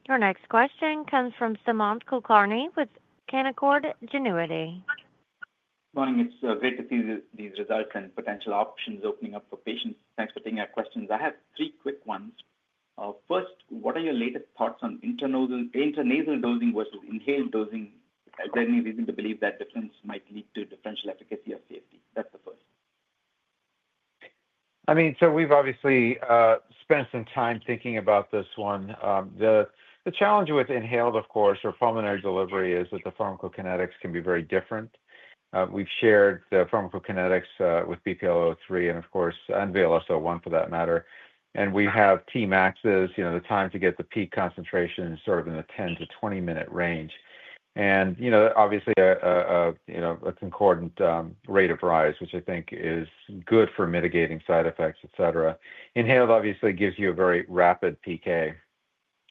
Your next question comes from Sumant Kulkarni with Canaccord Genuity. Good morning. It's great to see these results and potential options opening up for patients. Thanks for taking our questions. I have three quick ones. 1st, what are your latest thoughts on intranasal dosing versus inhaled dosing? Is there any reason to believe that difference might lead to differential efficacy or safety? That's the 1st. I mean, so we've obviously spent some time thinking about this one. The challenge with inhaled, of course, or pulmonary delivery is that the pharmacokinetics can be very different. We've shared the pharmacokinetics with BPL-003 and, of course, VLS-01 for that matter. We have Tmax's, the time to get the peak concentration is sort of in the 10-20 minute range. Obviously, a concordant rate of rise, which I think is good for mitigating side effects, etc. Inhaled, obviously, gives you a very rapid PK.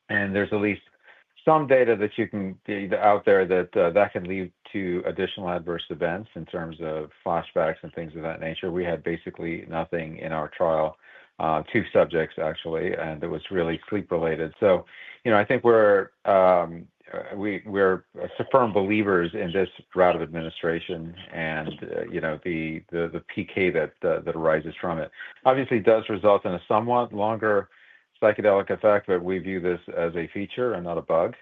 There's at least some data that you can either out there that that can lead to additional adverse events in terms of flashbacks and things of that nature. We had basically nothing in our trial, two subjects, actually. It was really sleep-related. I think we're firm believers in this route of administration and the PK that arises from it. Obviously, it does result in a somewhat longer psychedelic effect. But we view this as a feature and not a bug.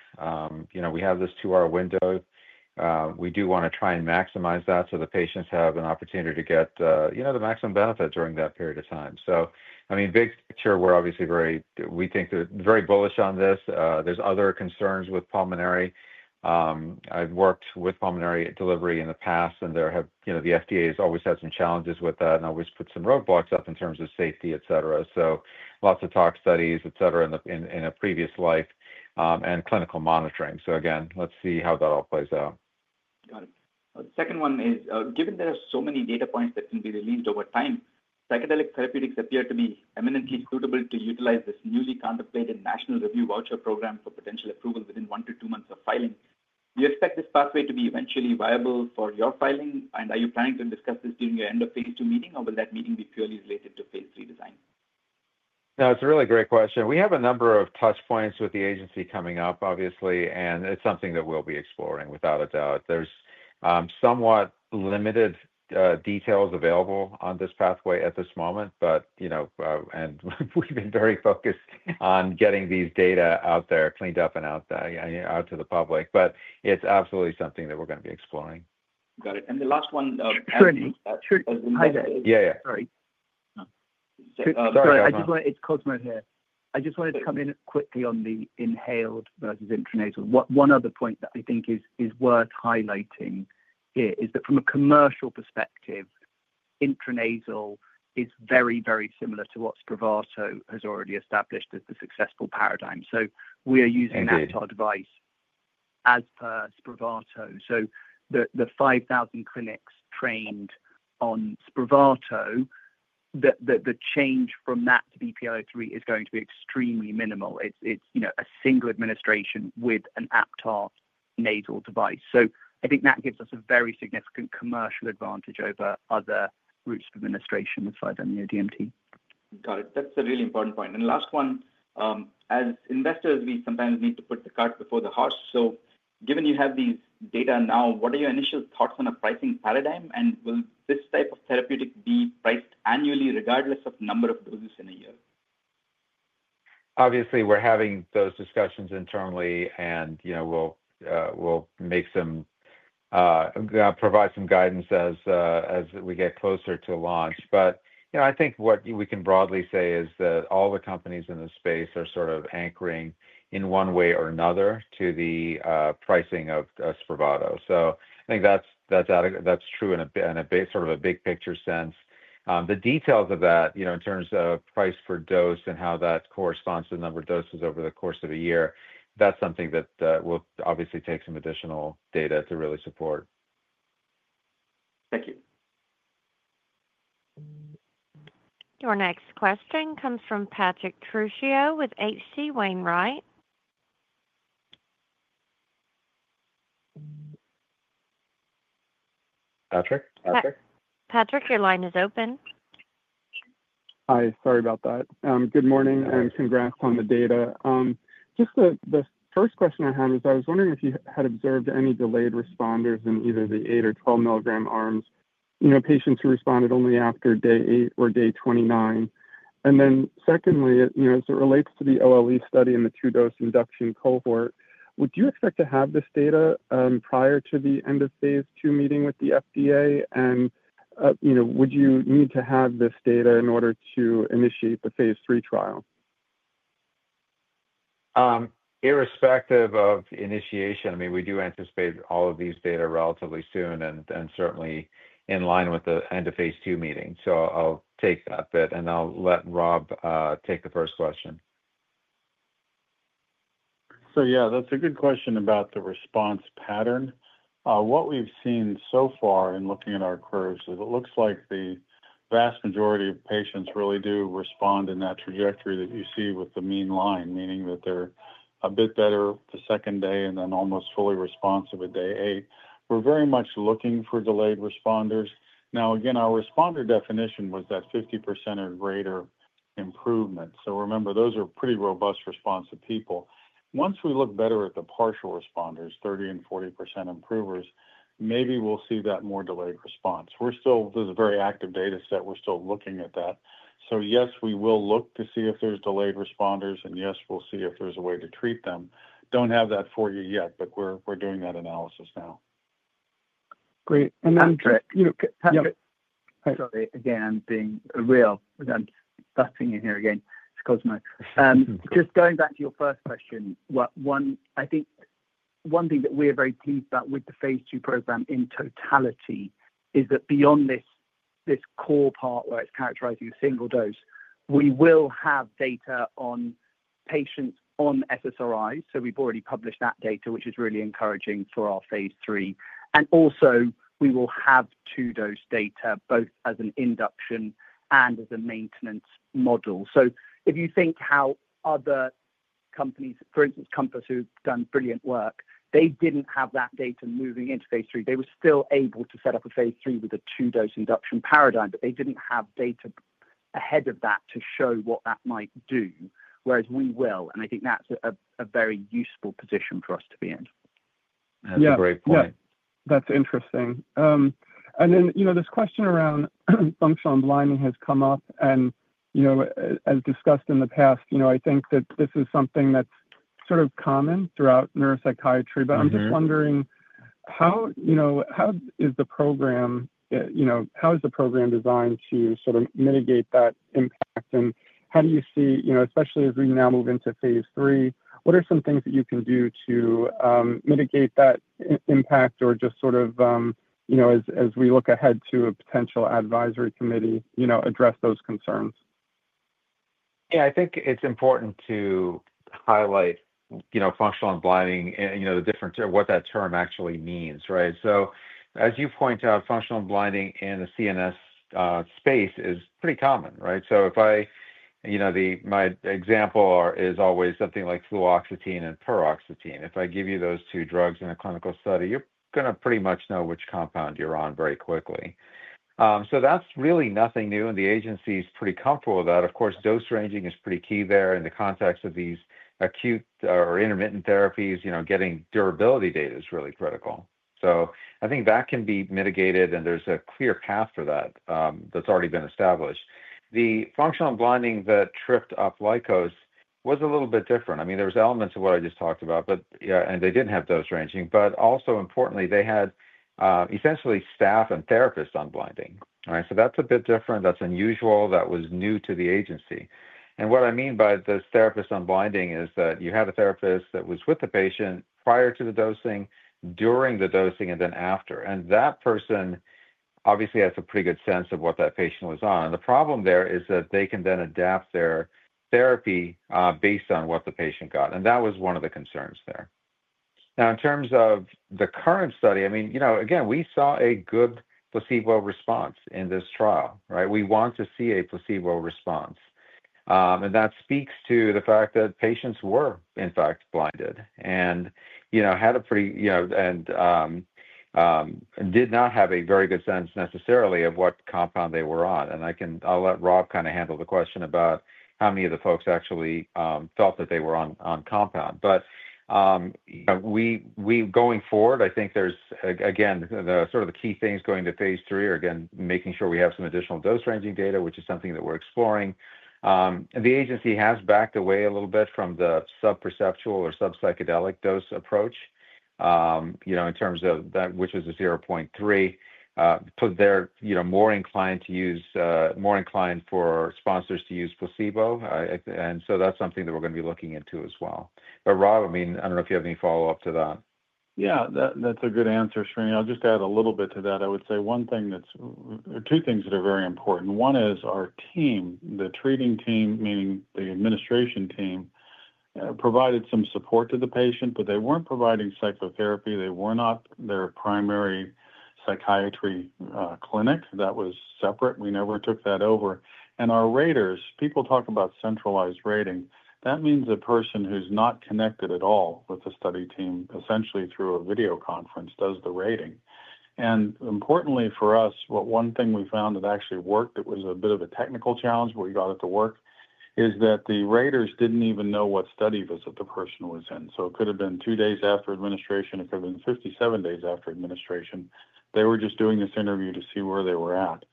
We have this two-hour window. We do want to try and maximize that so the patients have an opportunity to get the maximum benefit during that period of time. I mean, big picture, we are obviously very, we think that, very bullish on this. There are other concerns with pulmonary. I have worked with pulmonary delivery in the past. The FDA has always had some challenges with that and always put some roadblocks up in terms of safety, etc. Lots of toxicology studies, etc., in a previous life and clinical monitoring. Again, let's see how that all plays out. Got it. The 2nd one is, given there are so many data points that can be released over time, psychedelic therapeutics appear to be eminently suitable to utilize this newly contemplated National Review Voucher Program for potential approval within 1 to 2months of filing. Do you expect this pathway to be eventually viable for your filing? Are you planning to discuss this during your end-of-Phase two meeting, or will that meeting be purely related to Phase three design? That's a really great question. We have a number of touchpoints with the agency coming up, obviously. It's something that we'll be exploring without a doubt. There's somewhat limited details available on this pathway at this moment. We have been very focused on getting these data out there, cleaned up and out to the public. It's absolutely something that we're going to be exploring. Got it. The last one. Srinivas. Yeah. Sorry. It's Cosmo here. I just wanted to come in quickly on the inhaled versus intranasal. One other point that I think is worth highlighting here is that from a commercial perspective, intranasal is very, very similar to what Spravato has already established as the successful paradigm. We are using an Aptar device as per Spravato. The 5,000 clinics trained on Spravato, the change from that to BPL-003 is going to be extremely minimal. It's a single administration with an Aptar nasal device. I think that gives us a very significant commercial advantage over other routes of administration aside from the DMT. Got it. That's a really important point. Last one. As investors, we sometimes need to put the cart before the horse. Given you have these data now, what are your initial thoughts on a pricing paradigm? Will this type of therapeutic be priced annually regardless of number of doses in a year? Obviously, we're having those discussions internally. We'll provide some guidance as we get closer to launch. I think what we can broadly say is that all the companies in this space are sort of anchoring in one way or another to the pricing of Spravato. I think that's true in a sort of a big-picture sense. The details of that in terms of price per dose and how that corresponds to the number of doses over the course of a year, that's something that will obviously take some additional data to really support. Thank you. Your next question comes from Patrick Trucio with H.C. Wainwright. Patrick? Patrick? Patrick, your line is open. Hi. Sorry about that. Good morning. Congrats on the data. Just the 1st question I had is I was wondering if you had observed any delayed responders in either the 8 or 12 mg arms, patients who responded only after day 8 or day 29. 2ndly, as it relates to the OLLE study and the two-dose induction cohort, would you expect to have this data prior to the end-of-Phase two meeting with the FDA? Would you need to have this data in order to initiate the Phase three trial? Irrespective of initiation, I mean, we do anticipate all of these data relatively soon and certainly in line with the end-of-Phase 2 meeting. I'll take that bit. I'll let Rob take the 1st question. Yeah, that's a good question about the response pattern. What we've seen so far in looking at our curves is it looks like the vast majority of patients really do respond in that trajectory that you see with the mean line, meaning that they're a bit better the 2nd day and then almost fully responsive at day 8. We're very much looking for delayed responders. Now, again, our responder definition was that 50% or greater improvement. So remember, those are pretty robust response of people. Once we look better at the partial responders, 30% and 40% improvers, maybe we'll see that more delayed response. There's a very active data set. We're still looking at that. Yes, we will look to see if there's delayed responders. Yes, we'll see if there's a way to treat them. Don't have that for you yet. We're doing that analysis now. Great. And then, Patrick. Yeah. Sorry. Again, being real, I'm butting in here again. It's Cosmo. Just going back to your 1st question, I think one thing that we are very pleased about with the Phase two program in totality is that beyond this core part where it's characterizing a single dose, we will have data on patients on SSRIs. So we've already published that data, which is really encouraging for our Phase three. Also, we will have two-dose data both as an induction and as a maintenance model. If you think how other companies, for instance, Compass, who've done brilliant work, they didn't have that data moving into Phase three. They were still able to set up a Phase three with a two-dose induction paradigm. They didn't have data ahead of that to show what that might do, whereas we will. I think that's a very useful position for us to be in. That's a great point. Yeah. That's interesting. This question around functional blinding has come up. As discussed in the past, I think that this is something that's sort of common throughout neuropsychiatry. I'm just wondering, how is the program designed to sort of mitigate that impact? How do you see, especially as we now move into Phase three, what are some things that you can do to mitigate that impact or just sort of, as we look ahead to a potential advisory committee, address those concerns? Yeah. I think it's important to highlight functional blinding and what that term actually means, right? As you point out, functional blinding in the CNS space is pretty common, right? My example is always something like fluoxetine and paroxetine. If I give you those two drugs in a clinical study, you're going to pretty much know which compound you're on very quickly. That's really nothing new. The agency is pretty comfortable with that. Of course, dose ranging is pretty key there in the context of these acute or intermittent therapies. Getting durability data is really critical. I think that can be mitigated. There's a clear path for that that's already been established. The functional blinding that tripped up Lycos was a little bit different. I mean, there were elements of what I just talked about. They didn't have dose ranging. Also importantly, they had essentially staff and therapists on blinding, right? That is a bit different. That was unusual. That was new to the agency. What I mean by those therapists on blinding is that you had a therapist that was with the patient prior to the dosing, during the dosing, and then after. That person obviously has a pretty good sense of what that patient was on. The problem there is that they can then adapt their therapy based on what the patient got. That was one of the concerns there. In terms of the current study, I mean, again, we saw a good placebo response in this trial, right? We want to see a placebo response. That speaks to the fact that patients were, in fact, blinded and did not have a very good sense necessarily of what compound they were on. I'll let Rob kind of handle the question about how many of the folks actually felt that they were on compound. Going forward, I think there's, again, sort of the key things going to Phase three are, again, making sure we have some additional dose ranging data, which is something that we're exploring. The agency has backed away a little bit from the sub-perceptual or sub-psychedelic dose approach in terms of that, which was a 0.3. They're more inclined for sponsors to use placebo. That's something that we're going to be looking into as well. Rob, I mean, I don't know if you have any follow-up to that. Yeah. That's a good answer, Srinivas. I'll just add a little bit to that. I would say one thing that's, or two things that are very important. One is our team, the treating team, meaning the administration team, provided some support to the patient. They weren't providing psychotherapy. They were not their primary psychiatry clinic. That was separate. We never took that over. Our raters, people talk about centralized rating. That means a person who's not connected at all with the study team, essentially through a video conference, does the rating. Importantly for us, one thing we found that actually worked that was a bit of a technical challenge, where we got it to work, is that the raters didn't even know what study visit the person was in. It could have been two days after administration. It could have been 57 days after administration. They were just doing this interview to see where they were at.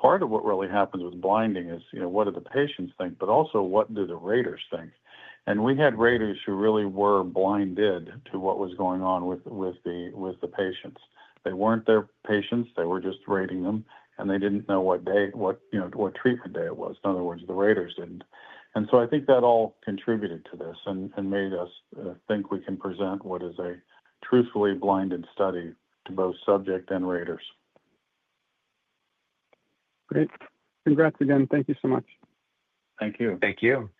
Part of what really happens with blinding is what do the patients think, but also what do the raters think? We had raters who really were blinded to what was going on with the patients. They were not their patients. They were just rating them. They did not know what day, what treatment day it was. In other words, the raters did not. I think that all contributed to this and made us think we can present what is a truthfully blinded study to both subject and raters. Great. Congrats again. Thank you so much. Thank you. Thank you.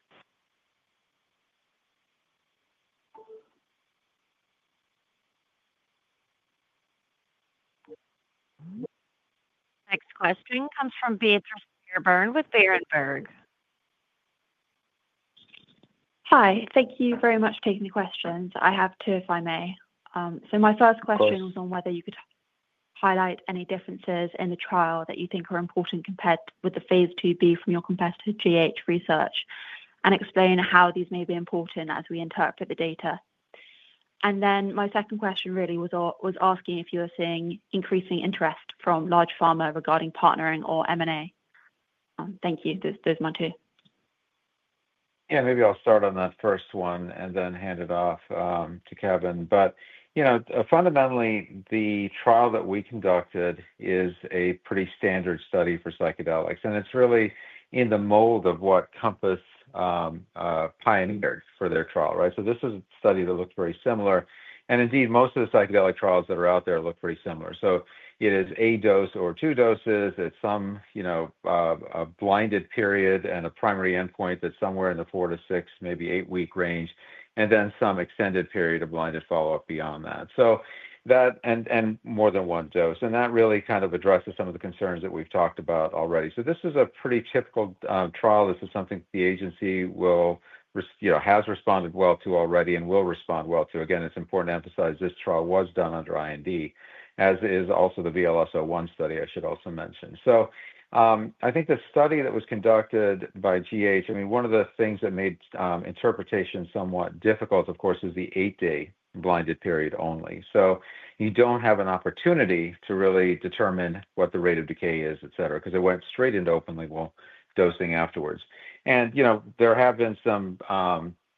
Next question comes from Beatrice Fairburn with Varenberg. Hi. Thank you very much for taking the questions. I have two, if I may. My 1st question was on whether you could highlight any differences in the trial that you think are important compared with the Phase 2B from your competitor GH Research and explain how these may be important as we interpret the data. My 2nd question really was asking if you were seeing increasing interest from large pharma regarding partnering or M&A. Thank you. There's my two. Yeah. Maybe I'll start on that 1st one and then hand it off to Kevin. Fundamentally, the trial that we conducted is a pretty standard study for psychedelics. It is really in the mold of what Compass pioneered for their trial, right? This is a study that looked very similar. Indeed, most of the psychedelic trials that are out there look pretty similar. It is a dose or two doses. It is some blinded period and a primary endpoint that is somewhere in the four- to six-, maybe eight-week range, and then some extended period of blinded follow-up beyond that. More than one dose. That really kind of addresses some of the concerns that we've talked about already. This is a pretty typical trial. This is something the agency has responded well to already and will respond well to. Again, it's important to emphasize this trial was done under IND, as is also the VLS-01 study, I should also mention. I think the study that was conducted by GH, I mean, one of the things that made interpretation somewhat difficult, of course, is the eight-day blinded period only. You don't have an opportunity to really determine what the rate of decay is, etc., because it went straight into open-label dosing afterwards. There have been some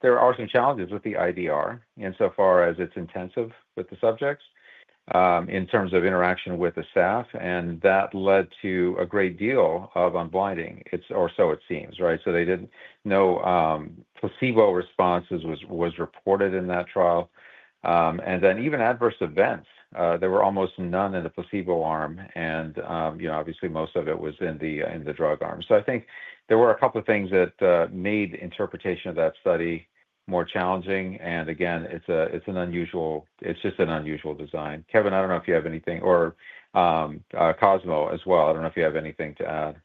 challenges with the IND insofar as it's intensive with the subjects in terms of interaction with the staff. That led to a great deal of unblinding, or so it seems, right? They didn't know placebo responses was reported in that trial. Even adverse events, there were almost none in the placebo arm. Obviously, most of it was in the drug arm. I think there were a couple of things that made interpretation of that study more challenging. Again, it's an unusual, it's just an unusual design. Kevin, I don't know if you have anything, or Cosmo as well. I don't know if you have anything to add.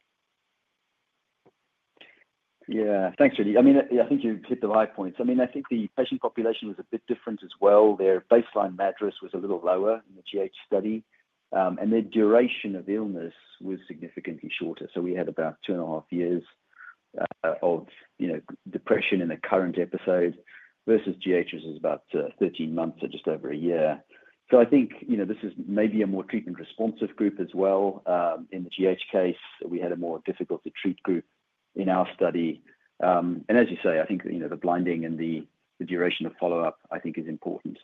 Yeah. Thanks, Rudy. I mean, I think you hit the right points. I mean, I think the patient population was a bit different as well. Their baseline MADRS was a little lower in the GH study. And their duration of illness was significantly shorter. We had about two and a half years of depression in a current episode versus GH, which was about 13 months or just over a year. I think this is maybe a more treatment-responsive group as well. In the GH case, we had a more difficult-to-treat group in our study. I think the blinding and the duration of follow-up, I think, is important.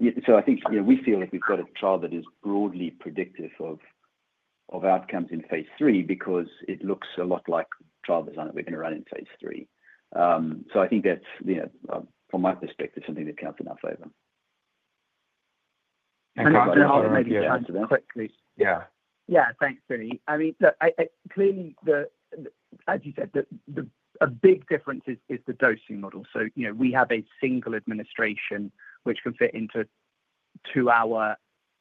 I think we feel like we've got a trial that is broadly predictive of outcomes in Phase three because it looks a lot like trial design that we're going to run in Phase three. I think that's, from my perspective, something that counts in our favor. Can I add maybe a quick question? Yeah. Yeah. Thanks, Srinivas. I mean, clearly, as you said, a big difference is the dosing model. So we have a single administration, which can fit into two-hour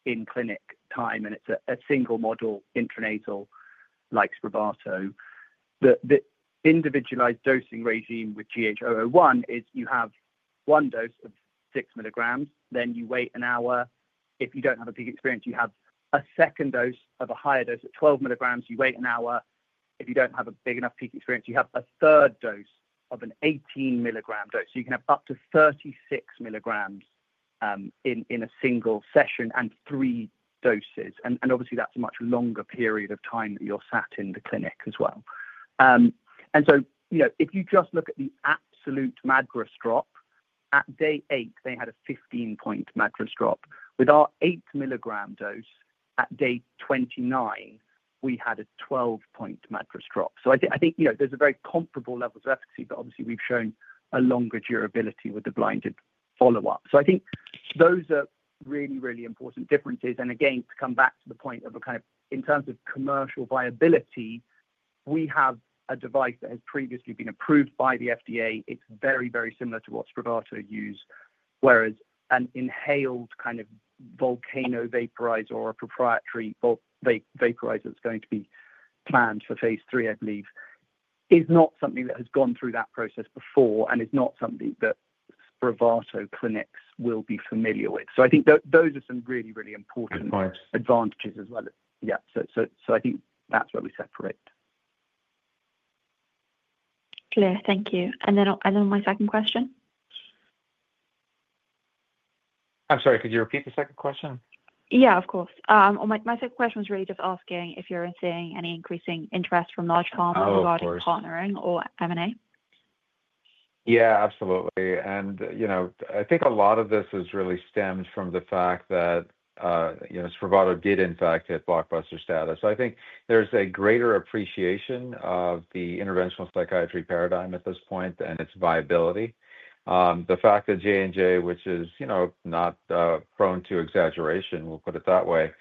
in-clinic time. And it's a single model intranasal like Spravato. The individualized dosing regime with GH 001 is you have one dose of 6 mgs. Then you wait an hour. If you don't have a peak experience, you have a 2nd dose of a higher dose at 12 mgs. You wait an hour. If you don't have a big enough peak experience, you have a third dose of an 18-mg dose. You can have up to 36 mgs in a single session and three doses. Obviously, that's a much longer period of time that you're sat in the clinic as well. If you just look at the absolute MADRS drop, at day eight, they had a 15-point MADRS drop. With our 8-mg dose, at day 29, we had a 12-point MADRS drop. I think there's a very comparable level of efficacy. Obviously, we've shown a longer durability with the blinded follow-up. I think those are really, really important differences. Again, to come back to the point of kind of in terms of commercial viability, we have a device that has previously been approved by the FDA. It's very, very similar to what Spravato used, whereas an inhaled kind of volcano vaporizer or a proprietary vaporizer that's going to be planned for Phase three, I believe, is not something that has gone through that process before and is not something that Spravato clinics will be familiar with. I think those are some really, really important advantages as well. Yeah. I think that's where we separate. Clear. Thank you. My 2nd question. I'm sorry. Could you repeat the 2nd question? Yeah, of course. My 2nd question was really just asking if you're seeing any increasing interest from large pharma regarding partnering or M&A. Yeah. Absolutely. I think a lot of this has really stemmed from the fact that Spravato did, in fact, hit blockbuster status. I think there is a greater appreciation of the interventional psychiatry paradigm at this point and its viability. The fact that J&J, which is not prone to exaggeration, we will put it that way,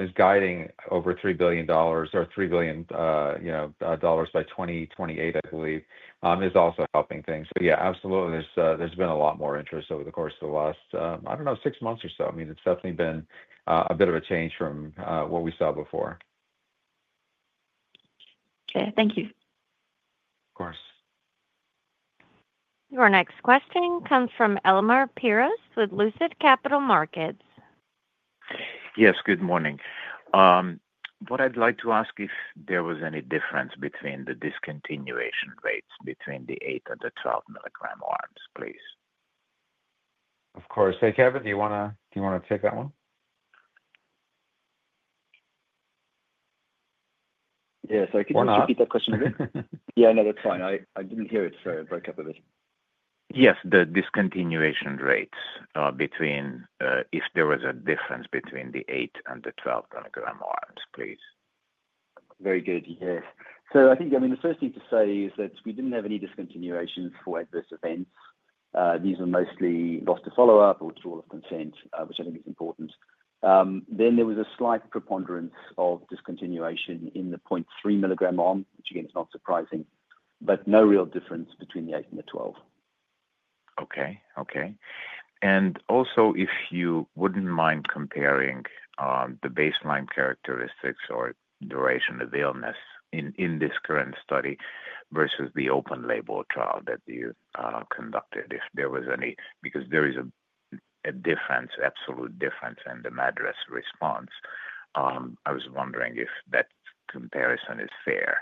is guiding over $3 billion or $3 billion by 2028, I believe, is also helping things. Yeah, absolutely. There has been a lot more interest over the course of the last, I do not know, six months or so. I mean, it has definitely been a bit of a change from what we saw before. Okay. Thank you. Of course. Your next question comes from Elmer Piros with Lucid Capital Markets. Yes. Good morning. What I'd like to ask is if there was any difference between the discontinuation rates between the 8 and the 12-mg arms, please? Of course. Hey, Kevin, do you want to take that one? Yes. I could just repeat that question again. Yeah. No, that's fine. I didn't hear it, so I broke up a bit. Yes. The discontinuation rates between if there was a difference between the 8 and the 12-mg arms, please. Very good. Yes. I think, I mean, the 1st thing to say is that we didn't have any discontinuations for adverse events. These were mostly lost to follow-up or withdrawal of consent, which I think is important. There was a slight preponderance of discontinuation in the 0.3-mg arm, which again is not surprising, but no real difference between the 8 and the 12. Okay. Okay. Also, if you wouldn't mind comparing the baseline characteristics or duration of illness in this current study versus the open-label trial that you conducted, if there was any, because there is a difference, absolute difference in the MADRS response. I was wondering if that comparison is fair.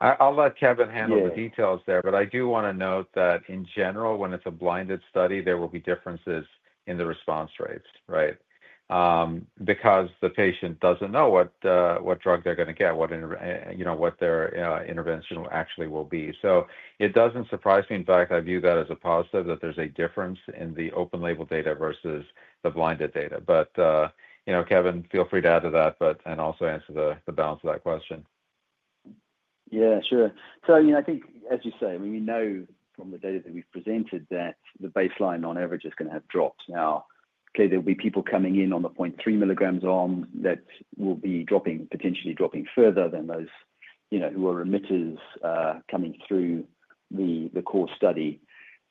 I'll let Kevin handle the details there. I do want to note that in general, when it's a blinded study, there will be differences in the response rates, right, because the patient doesn't know what drug they're going to get, what their intervention actually will be. It doesn't surprise me. In fact, I view that as a positive that there's a difference in the open-label data versus the blinded data. Kevin, feel free to add to that and also answer the balance of that question. Yeah. Sure. So I mean, I think, as you say, I mean, we know from the data that we've presented that the baseline on average is going to have dropped. Now, clearly, there will be people coming in on the 0.3-mg arm that will be dropping, potentially dropping further than those who are emitters coming through the core study.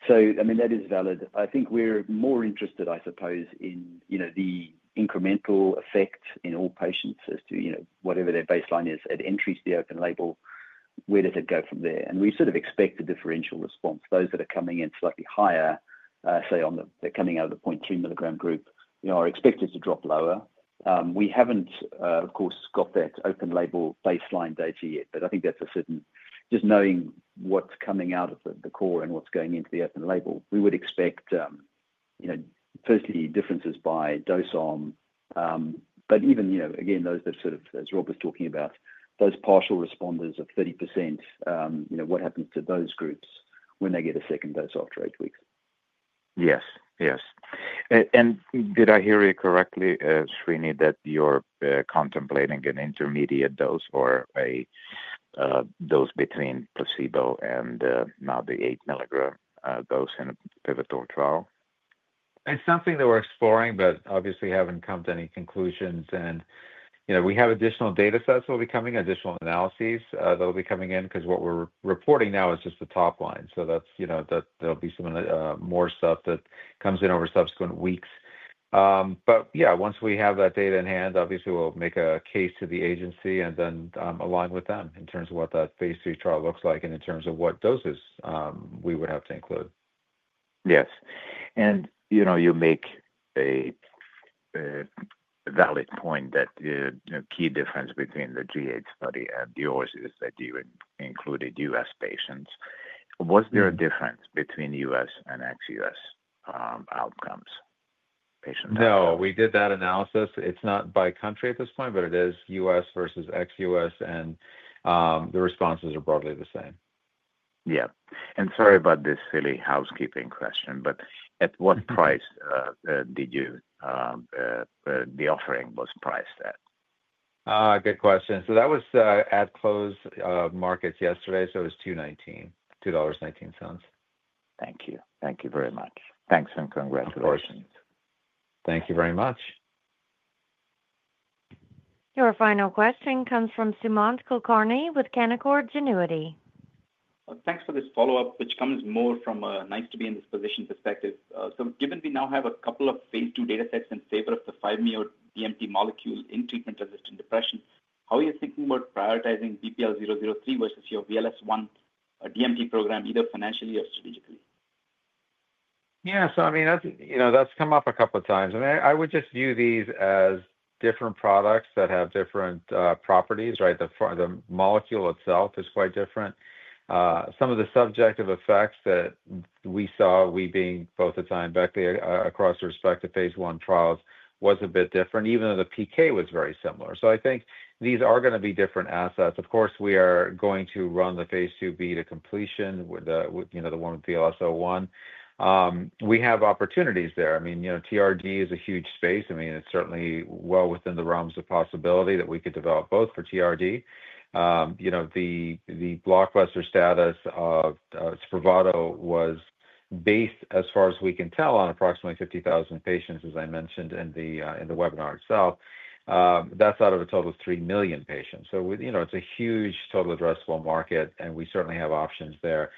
I mean, that is valid. I think we're more interested, I suppose, in the incremental effect in all patients as to whatever their baseline is at entry to the open label, where does it go from there? We sort of expect a differential response. Those that are coming in slightly higher, say, they're coming out of the 0.3-mg group, are expected to drop lower. We haven't, of course, got that open-label baseline data yet. I think that's a certain just knowing what's coming out of the core and what's going into the open label, we would expect, 1stly, differences by dose arm. Even, again, those that sort of, as Rob was talking about, those partial responders of 30%, what happens to those groups when they get a 2nd dose after eight weeks? Yes. Yes. Did I hear you correctly, Srinivas, that you're contemplating an intermediate dose or a dose between placebo and now the 8-mg dose in a pivotal trial? It's something that we're exploring, but obviously, haven't come to any conclusions. We have additional data sets that will be coming, additional analyses that will be coming in because what we're reporting now is just the top line. There will be some more stuff that comes in over subsequent weeks. Once we have that data in hand, obviously, we'll make a case to the agency and then align with them in terms of what that Phase three trial looks like and in terms of what doses we would have to include. Yes. You make a valid point that the key difference between the GH study and yours is that you included US patients. Was there a difference between US and ex-US outcomes? Patient outcomes? No. We did that analysis. It's not by country at this point, but it is U.S. versus ex-U.S. The responses are broadly the same. Yeah. Sorry about this silly housekeeping question, but at what price did you the offering was priced at? Good question. That was at close markets yesterday. It was $2.19, two point one nine cents. Thank you. Thank you very much. Thanks and congratulations. Of course. Thank you very much. Your final question comes from Simone Kulkarni with Canaccord Genuity. Thanks for this follow-up, which comes more from a nice-to-be-in-this-position perspective. Given we now have a couple of Phase two data sets in favor of the 5-MeO-DMT molecule in treatment-resistant depression, how are you thinking about prioritizing BPL-003 versus your VLS-01 DMT program, either financially or strategically? Yeah. So I mean, that's come up a couple of times. I mean, I would just view these as different products that have different properties, right? The molecule itself is quite different. Some of the subjective effects that we saw, we being both Atai and Beckley across respective Phase one trials, was a bit different, even though the PK was very similar. I think these are going to be different assets. Of course, we are going to run the Phase two beta completion, the one with VLS-01. We have opportunities there. I mean, TRD is a huge space. I mean, it's certainly well within the realms of possibility that we could develop both for TRD. The blockbuster status of Spravato was based, as far as we can tell, on approximately 50,000 patients, as I mentioned in the webinar itself. That's out of a total of 3 million patients. It's a huge total addressable market, and we certainly have options there.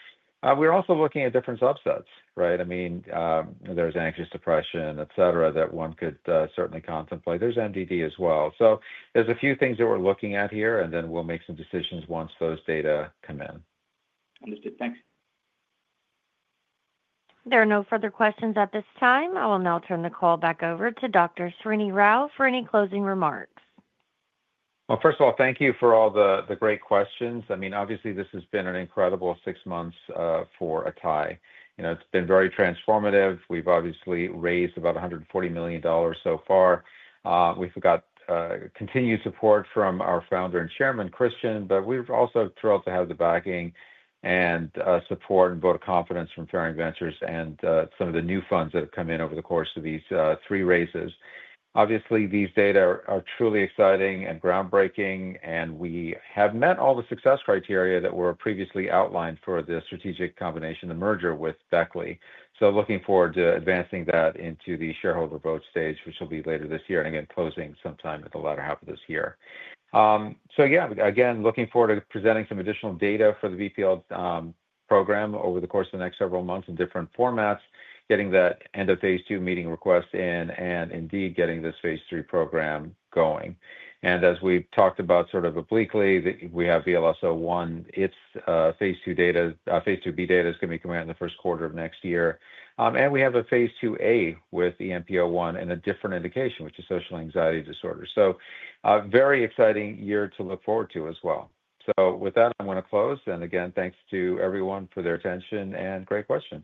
We're also looking at different subsets, right? I mean, there's anxious depression, etc., that one could certainly contemplate. There's MDD as well. So there's a few things that we're looking at here, and then we'll make some decisions once those data come in. Understood. Thanks. There are no further questions at this time. I will now turn the call back over to Dr. Srinivas for any closing remarks. 1st of all, thank you for all the great questions. I mean, obviously, this has been an incredible six months for Atai. It's been very transformative. We've obviously raised about $140 million so far. We've got continued support from our founder and chairman, Christian. We're also thrilled to have the backing and support and vote of confidence from Fair Inventors and some of the new funds that have come in over the course of these three raises. Obviously, these data are truly exciting and groundbreaking. We have met all the success criteria that were previously outlined for the strategic combination, the merger with Beckley. Looking forward to advancing that into the shareholder vote stage, which will be later this year and, again, closing sometime in the latter half of this year. Yeah, again, looking forward to presenting some additional data for the BPL-003 program over the course of the next several months in different formats, getting that end-of-Phase 2 meeting request in, and indeed getting this Phase 3 program going. As we've talked about sort of obliquely, we have VLS-01. Its Phase 2 data, Phase 2B, is going to be coming out in the 1st quarter of next year. We have a Phase 2A with EMP-01 in a different indication, which is social anxiety disorder. Very exciting year to look forward to as well. With that, I'm going to close. Again, thanks to everyone for their attention and great questions.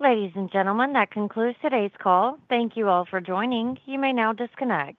Ladies and gentlemen, that concludes today's call. Thank you all for joining. You may now disconnect.